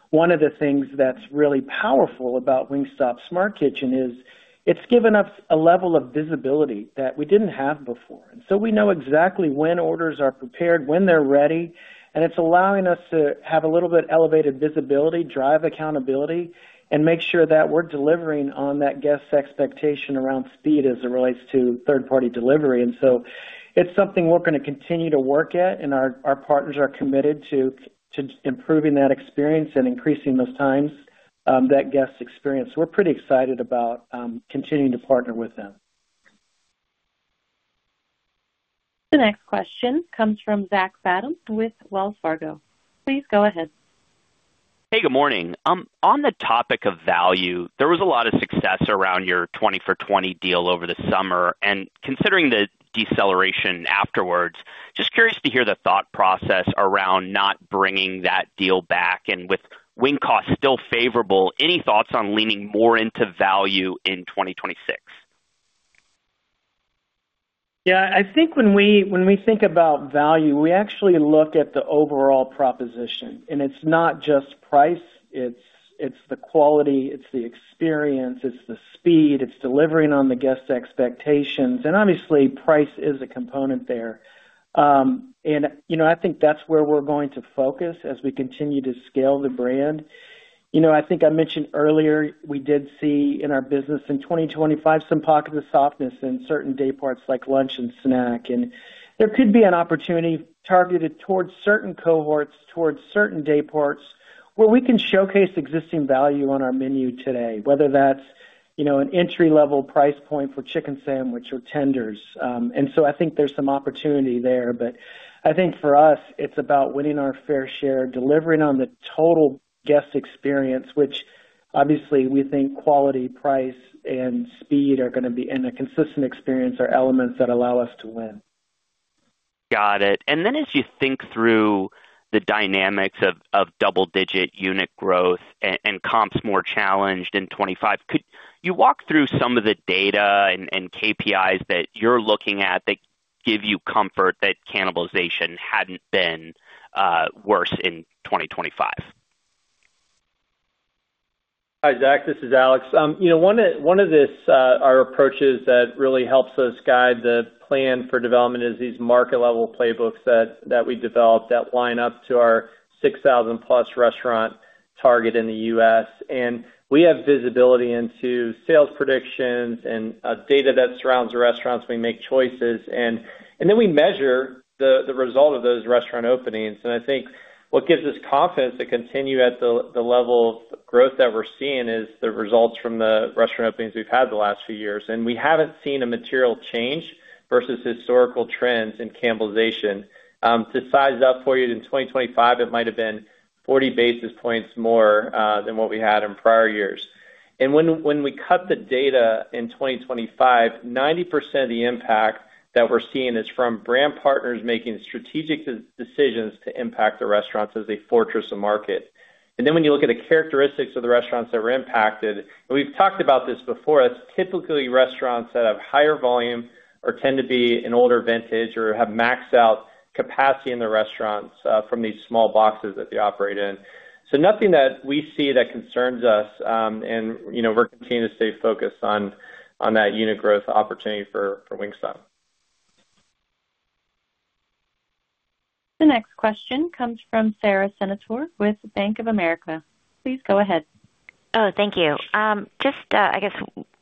one of the things that's really powerful about Wingstop Smart Kitchen is it's given us a level of visibility that we didn't have before. So we know exactly when orders are prepared, when they're ready, and it's allowing us to have a little bit elevated visibility, drive accountability, and make sure that we're delivering on that guest's expectation around speed as it relates to third-party delivery. And so it's something we're gonna continue to work at, and our partners are committed to improving that experience and increasing those times that guests experience. We're pretty excited about continuing to partner with them. The next question comes from Zach Fadem with Wells Fargo. Please go ahead. Hey, good morning. On the topic of value, there was a lot of success around your 20 for 20 deal over the summer. Considering the deceleration afterwards, just curious to hear the thought process around not bringing that deal back. With wing cost still favorable, any thoughts on leaning more into value in 2026? Yeah, I think when we think about value, we actually look at the overall proposition, and it's not just price, it's the quality, it's the experience, it's the speed, it's delivering on the guest's expectations, and obviously, price is a component there. And, you know, I think that's where we're going to focus as we continue to scale the brand. You know, I think I mentioned earlier, we did see in our business in 2025 some pockets of softness in certain dayparts like lunch and snack. And there could be an opportunity targeted towards certain cohorts, towards certain dayparts, where we can showcase existing value on our menu today, whether that's, you know, an entry-level price point for chicken sandwich or tenders. And so I think there's some opportunity there. I think for us, it's about winning our fair share, delivering on the total guest experience, which obviously we think quality, price, and speed are gonna be, and a consistent experience are elements that allow us to win. Got it. And then as you think through the dynamics of double-digit unit growth and comps more challenged in 2025, could you walk through some of the data and KPIs that you're looking at that-... give you comfort that cannibalization hadn't been worse in 2025? Hi, Zach, this is Alex. You know, one of our approaches that really helps us guide the plan for development is these market level playbooks that we developed that line up to our 6,000+ restaurant target in the U.S. And we have visibility into sales predictions and data that surrounds the restaurants. We make choices, and then we measure the result of those restaurant openings. And I think what gives us confidence to continue at the level of growth that we're seeing is the results from the restaurant openings we've had the last few years, and we haven't seen a material change versus historical trends in cannibalization. To size up for you, in 2025, it might have been 40 basis points more than what we had in prior years. When we cut the data in 2025, 90% of the impact that we're seeing is from brand partners making strategic decisions to impact the restaurants as a fortress of market. And then when you look at the characteristics of the restaurants that were impacted, and we've talked about this before, it's typically restaurants that have higher volume or tend to be an older vintage or have maxed out capacity in the restaurants from these small boxes that they operate in. So nothing that we see that concerns us, and you know, we're continuing to stay focused on that unit growth opportunity for Wingstop. The next question comes from Sara Senatore with Bank of America. Please go ahead. Oh, thank you. Just, I guess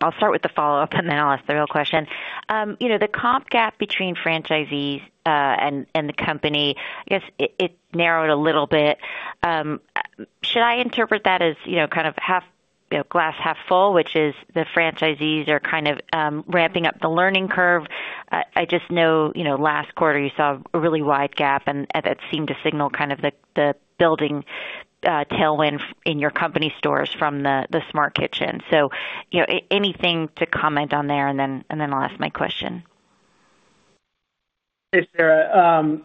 I'll start with the follow-up, and then I'll ask the real question. You know, the comp gap between franchisees and the company, I guess, it narrowed a little bit. Should I interpret that as, you know, kind of half, you know, glass half full, which is the franchisees are kind of ramping up the learning curve? I just know, you know, last quarter you saw a really wide gap, and it seemed to signal kind of the building tailwind in your company stores from the Smart Kitchen. So, you know, anything to comment on there, and then I'll ask my question. Hey, Sarah,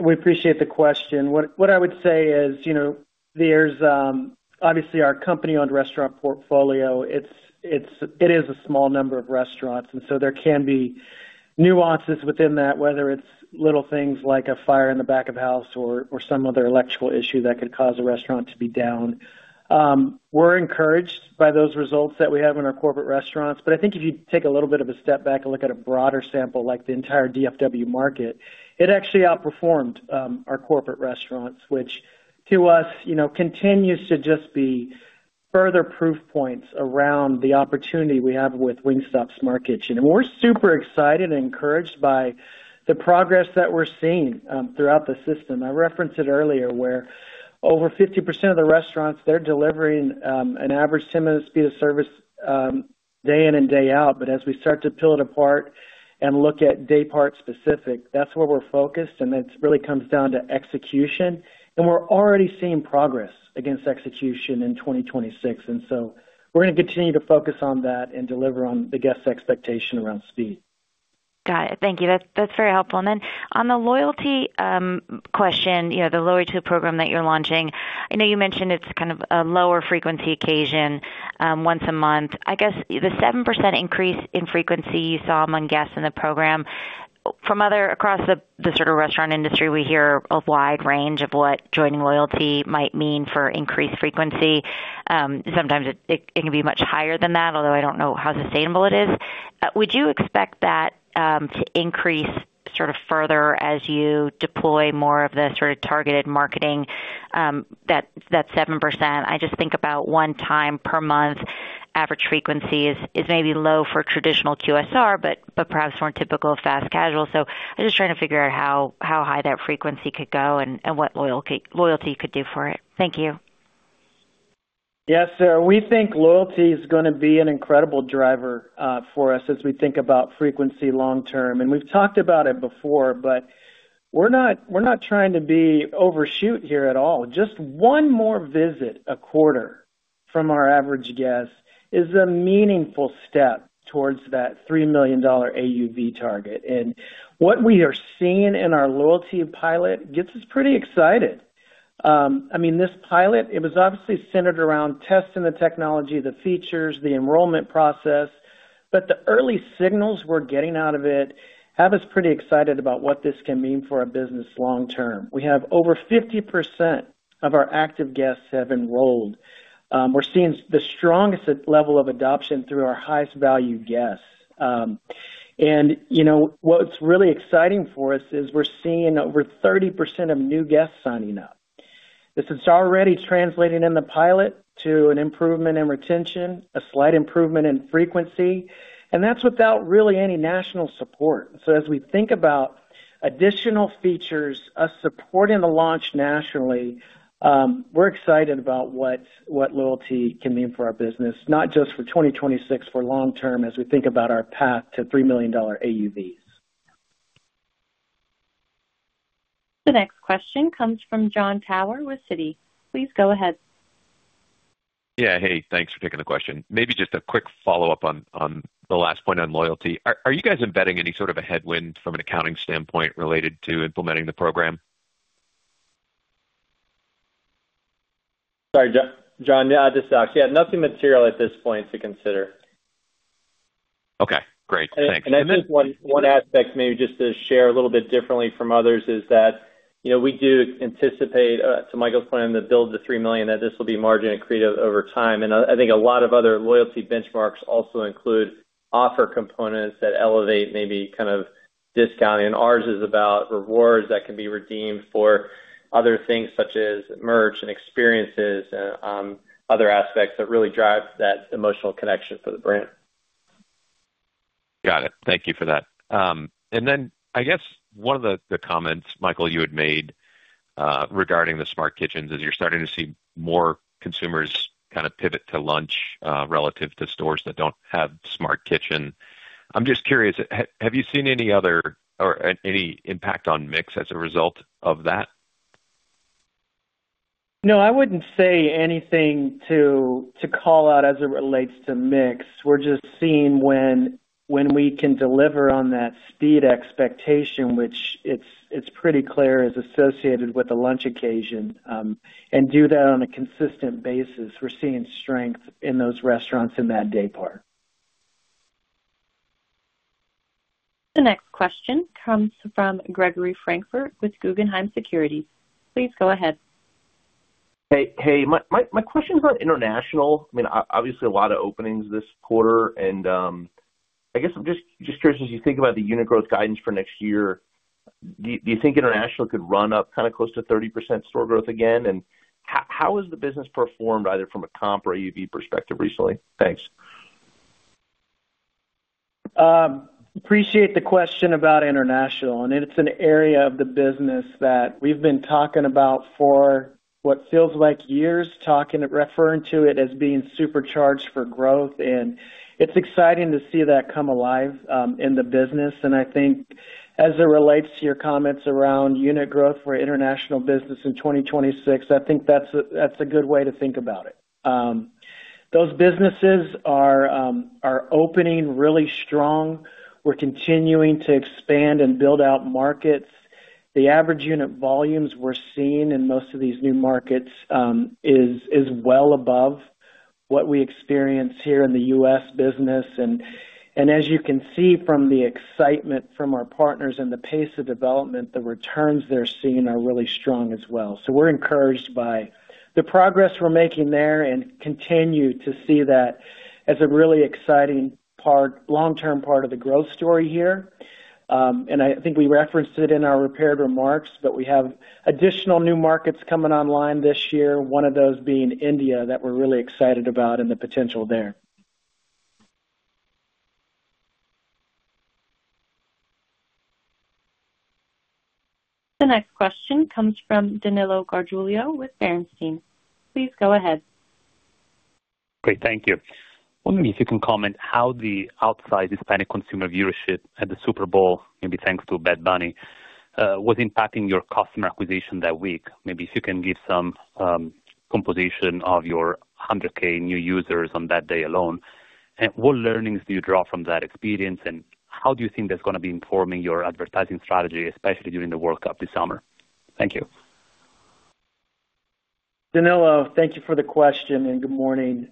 we appreciate the question. What I would say is, you know, there's obviously our company-owned restaurant portfolio, it is a small number of restaurants, and so there can be nuances within that, whether it's little things like a fire in the back of house or some other electrical issue that could cause a restaurant to be down. We're encouraged by those results that we have in our corporate restaurants, but I think if you take a little bit of a step back and look at a broader sample, like the entire DFW market, it actually outperformed our corporate restaurants, which to us, you know, continues to just be further proof points around the opportunity we have with Wingstop Smart Kitchen. And we're super excited and encouraged by the progress that we're seeing throughout the system. I referenced it earlier, where over 50% of the restaurants, they're delivering, an average 10-minute speed of service, day in and day out. But as we start to peel it apart and look at daypart specific, that's where we're focused, and it really comes down to execution. We're already seeing progress against execution in 2026, and so we're going to continue to focus on that and deliver on the guest's expectation around speed. Got it. Thank you. That's, that's very helpful. And then on the loyalty question, you know, the loyalty program that you're launching, I know you mentioned it's kind of a lower frequency occasion, once a month. I guess the 7% increase in frequency you saw among guests in the program, from other across the sort of restaurant industry, we hear a wide range of what joining loyalty might mean for increased frequency. Sometimes it, it can be much higher than that, although I don't know how sustainable it is. Would you expect that to increase sort of further as you deploy more of the sort of targeted marketing, that, that 7%? I just think about one time per month average frequency is, is maybe low for traditional QSR, but, but perhaps more typical of fast casual. I'm just trying to figure out how high that frequency could go and what loyalty could do for it. Thank you. Yes, Sarah, we think loyalty is gonna be an incredible driver for us as we think about frequency long term. And we've talked about it before, but we're not, we're not trying to be overshoot here at all. Just one more visit a quarter from our average guest is a meaningful step towards that $3 million AUV target. And what we are seeing in our loyalty pilot gets us pretty excited. I mean, this pilot, it was obviously centered around testing the technology, the features, the enrollment process, but the early signals we're getting out of it have us pretty excited about what this can mean for our business long term. We have over 50% of our active guests have enrolled. We're seeing the strongest level of adoption through our highest value guests. And, you know, what's really exciting for us is we're seeing over 30% of new guests signing up. This is already translating in the pilot to an improvement in retention, a slight improvement in frequency, and that's without really any national support. So as we think about additional features, us supporting the launch nationally, we're excited about what, what loyalty can mean for our business, not just for 2026, for long term, as we think about our path to $3 million AUVs. The next question comes from Jon Tower with Citi. Please go ahead. Yeah, hey, thanks for taking the question. Maybe just a quick follow-up on the last point on loyalty. Are you guys embedding any sort of a headwind from an accounting standpoint related to implementing the program?... Sorry, Jon, this is Alex. Yeah, nothing material at this point to consider. Okay, great. Thanks. I think one aspect maybe just to share a little bit differently from others is that, you know, we do anticipate, to Michael's point, on the build the 3 million, that this will be margin accretive over time. I think a lot of other loyalty benchmarks also include offer components that elevate maybe kind of discounting. Ours is about rewards that can be redeemed for other things such as merch and experiences and, other aspects that really drive that emotional connection for the brand. Got it. Thank you for that. And then I guess one of the, the comments, Michael, you had made, regarding the Smart Kitchens, is you're starting to see more consumers kind of pivot to lunch, relative to stores that don't have Smart Kitchen. I'm just curious, have you seen any other or any impact on mix as a result of that? No, I wouldn't say anything to call out as it relates to mix. We're just seeing when we can deliver on that speed expectation, which it's pretty clear is associated with the lunch occasion, and do that on a consistent basis. We're seeing strength in those restaurants in that daypart. The next question comes from Gregory Francfort with Guggenheim Securities. Please go ahead. Hey, hey, my question is about international. I mean, obviously, a lot of openings this quarter, and I guess I'm just curious, as you think about the unit growth guidance for next year, do you think international could run up kind of close to 30% store growth again? And how has the business performed, either from a comp or AUV perspective recently? Thanks. Appreciate the question about international, and it's an area of the business that we've been talking about for what feels like years, referring to it as being supercharged for growth, and it's exciting to see that come alive in the business. I think as it relates to your comments around unit growth for international business in 2026, that's a good way to think about it. Those businesses are opening really strong. We're continuing to expand and build out markets. The average unit volumes we're seeing in most of these new markets is well above what we experience here in the U.S. business. And as you can see from the excitement from our partners and the pace of development, the returns they're seeing are really strong as well. We're encouraged by the progress we're making there and continue to see that as a really exciting part, long-term part of the growth story here. And I think we referenced it in our prepared remarks, but we have additional new markets coming online this year. One of those being India, that we're really excited about and the potential there. The next question comes from Danilo Gargiulo with Bernstein. Please go ahead. Great, thank you. Wondering if you can comment how the outsized Hispanic consumer viewership at the Super Bowl, maybe thanks to Bad Bunny, was impacting your customer acquisition that week? Maybe if you can give some composition of your 100,000 new users on that day alone. What learnings do you draw from that experience, and how do you think that's gonna be informing your advertising strategy, especially during the World Cup this summer? Thank you. Danilo, thank you for the question, and good morning.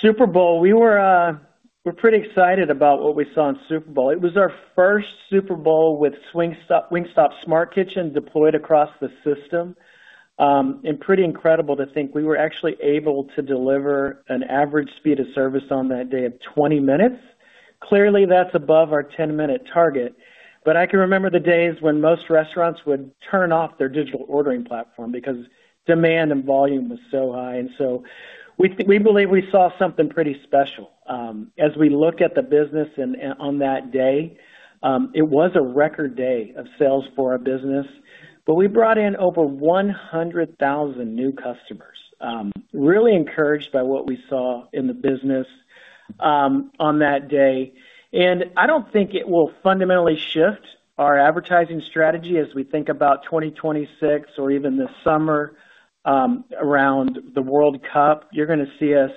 Super Bowl, we were, we're pretty excited about what we saw in Super Bowl. It was our first Super Bowl with Wingstop's Smart Kitchen deployed across the system. Pretty incredible to think we were actually able to deliver an average speed of service on that day of 20 minutes. Clearly, that's above our 10-minute target, but I can remember the days when most restaurants would turn off their digital ordering platform because demand and volume was so high. And so we believe we saw something pretty special. As we look at the business and on that day, it was a record day of sales for our business, but we brought in over 100,000 new customers. Really encouraged by what we saw in the business, on that day. I don't think it will fundamentally shift our advertising strategy as we think about 2026 or even this summer, around the World Cup. You're gonna see us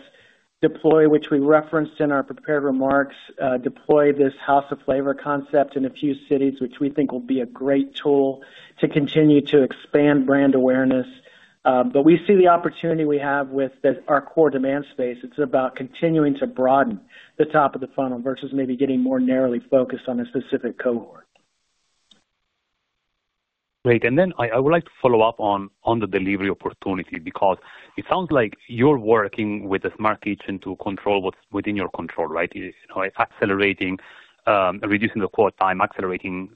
deploy, which we referenced in our prepared remarks, deploy this House of Flavor concept in a few cities, which we think will be a great tool to continue to expand brand awareness. But we see the opportunity we have with our core demand space. It's about continuing to broaden the top of the funnel versus maybe getting more narrowly focused on a specific cohort. Great. Then I would like to follow-up on the delivery opportunity, because it sounds like you're working with a Smart Kitchen to control what's within your control, right? It's accelerating, reducing the quote time, accelerating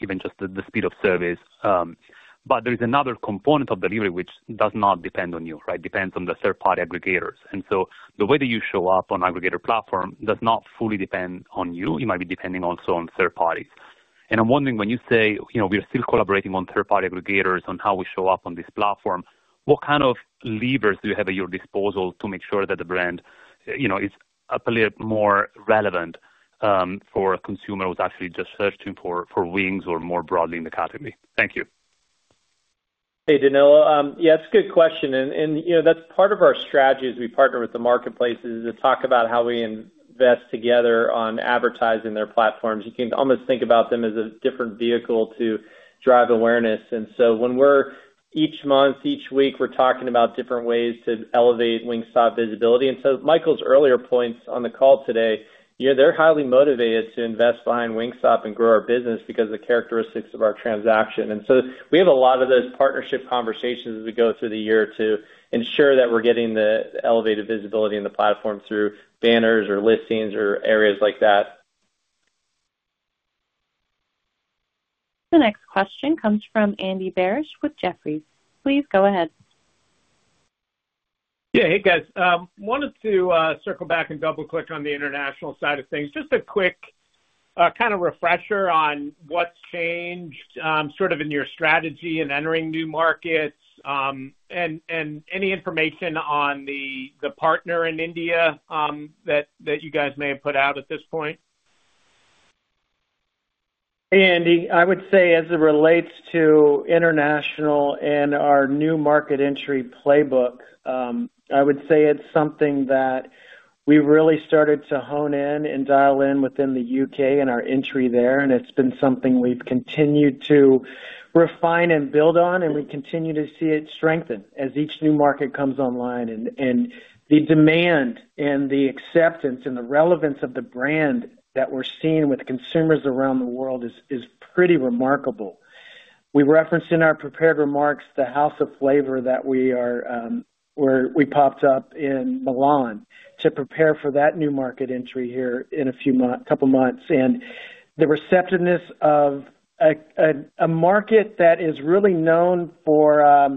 even just the speed of service. But there is another component of delivery which does not depend on you, right? Depends on the third-party aggregators. And so the way that you show up on aggregator platform does not fully depend on you. It might be depending also on third parties. I'm wondering, when you say, you know, we are still collaborating on third-party aggregators on how we show up on this platform, what kind of levers do you have at your disposal to make sure that the brand, you know, is a bit more relevant, for a consumer who's actually just searching for wings or more broadly in the category? Thank you.... Hey, Danilo. Yeah, it's a good question, and you know, that's part of our strategy as we partner with the marketplace, is to talk about how we invest together on advertising their platforms. You can almost think about them as a different vehicle to drive awareness. And so when we're each month, each week, we're talking about different ways to elevate Wingstop visibility. And so Michael's earlier points on the call today, yeah, they're highly motivated to invest behind Wingstop and grow our business because of the characteristics of our transaction. And so we have a lot of those partnership conversations as we go through the year to ensure that we're getting the elevated visibility in the platform through banners or listings or areas like that. The next question comes from Andy Barish with Jefferies. Please go ahead. Yeah. Hey, guys. Wanted to circle back and double-click on the international side of things. Just a quick kind of refresher on what's changed, sort of in your strategy in entering new markets, and any information on the partner in India that you guys may have put out at this point? Hey, Andy. I would say as it relates to international and our new market entry playbook, I would say it's something that we've really started to hone in and dial in within the U.K. and our entry there, and it's been something we've continued to refine and build on, and we continue to see it strengthen as each new market comes online. And the demand and the acceptance and the relevance of the brand that we're seeing with consumers around the world is pretty remarkable. We referenced in our prepared remarks the House of Flavor that we are where we popped up in Milan to prepare for that new market entry here in a few months, couple months, and the receptiveness of a market that is really known for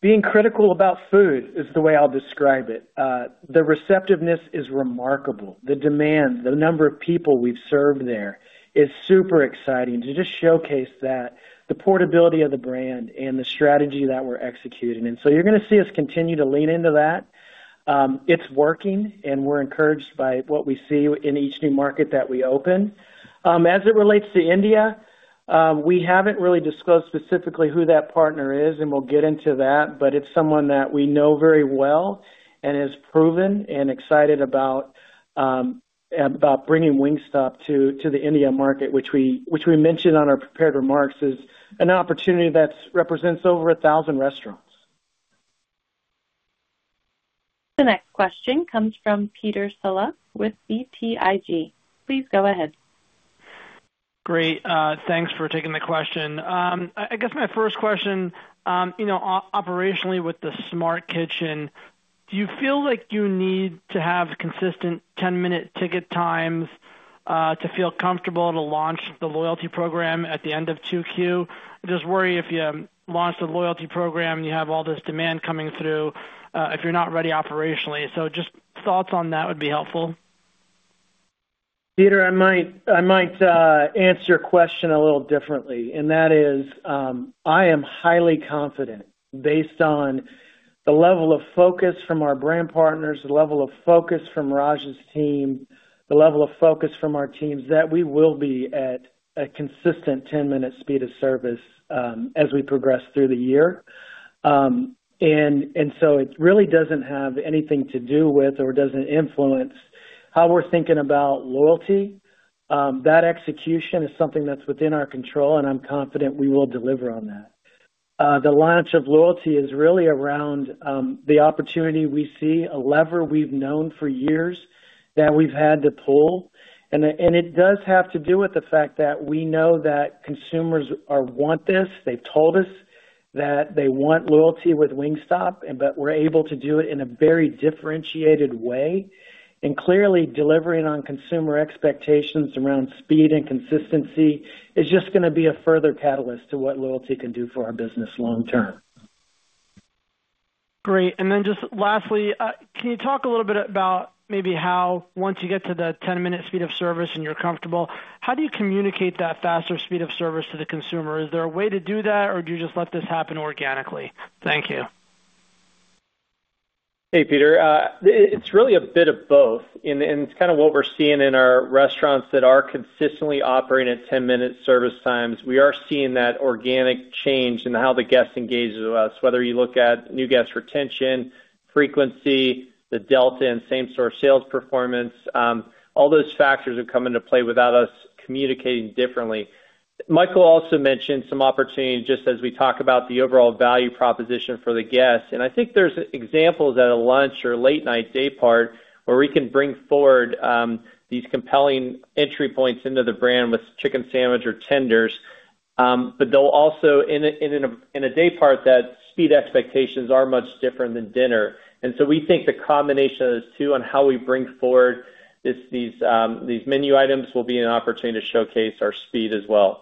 being critical about food is the way I'll describe it. The receptiveness is remarkable. The demand, the number of people we've served there is super exciting to just showcase that the portability of the brand and the strategy that we're executing. And so you're going to see us continue to lean into that. It's working, and we're encouraged by what we see in each new market that we open. As it relates to India, we haven't really disclosed specifically who that partner is, and we'll get into that, but it's someone that we know very well and is proven and excited about bringing Wingstop to the India market, which we mentioned on our prepared remarks, is an opportunity that represents over 1,000 restaurants. The next question comes from Peter Saleh with BTIG. Please go ahead. Great. Thanks for taking the question. I guess my first question, you know, operationally with the Smart Kitchen, do you feel like you need to have consistent 10-minute ticket times, to feel comfortable to launch the loyalty program at the end of 2Q? Just worry if you launch the loyalty program and you have all this demand coming through, if you're not ready operationally. So just thoughts on that would be helpful. Peter, I might answer your question a little differently, and that is, I am highly confident, based on the level of focus from our brand partners, the level of focus from Raj's team, the level of focus from our teams, that we will be at a consistent 10-minute speed of service, as we progress through the year. And so it really doesn't have anything to do with or doesn't influence how we're thinking about loyalty. That execution is something that's within our control, and I'm confident we will deliver on that. The launch of loyalty is really around the opportunity we see, a lever we've known for years that we've had to pull. And it does have to do with the fact that we know that consumers want this. They've told us that they want loyalty with Wingstop, but we're able to do it in a very differentiated way. Clearly, delivering on consumer expectations around speed and consistency is just going to be a further catalyst to what loyalty can do for our business long term. Great. And then just lastly, can you talk a little bit about maybe how once you get to the 10-minute speed of service and you're comfortable, how do you communicate that faster speed of service to the consumer? Is there a way to do that, or do you just let this happen organically? Thank you. Hey, Peter. It's really a bit of both, and it's kind of what we're seeing in our restaurants that are consistently operating at 10-minute service times. We are seeing that organic change in how the guest engages with us, whether you look at new guest retention, frequency, the delta and same-store sales performance. All those factors have come into play without us communicating differently. Michael also mentioned some opportunities just as we talk about the overall value proposition for the guests. And I think there's examples at a lunch or late night daypart where we can bring forward these compelling entry points into the brand with chicken sandwich or tenders. But they'll also in a daypart, that speed expectations are much different than dinner. We think the combination of those two on how we bring forward these menu items will be an opportunity to showcase our speed as well.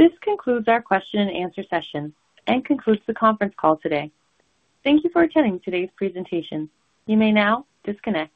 This concludes our question and answer session and concludes the conference call today. Thank you for attending today's presentation. You may now disconnect.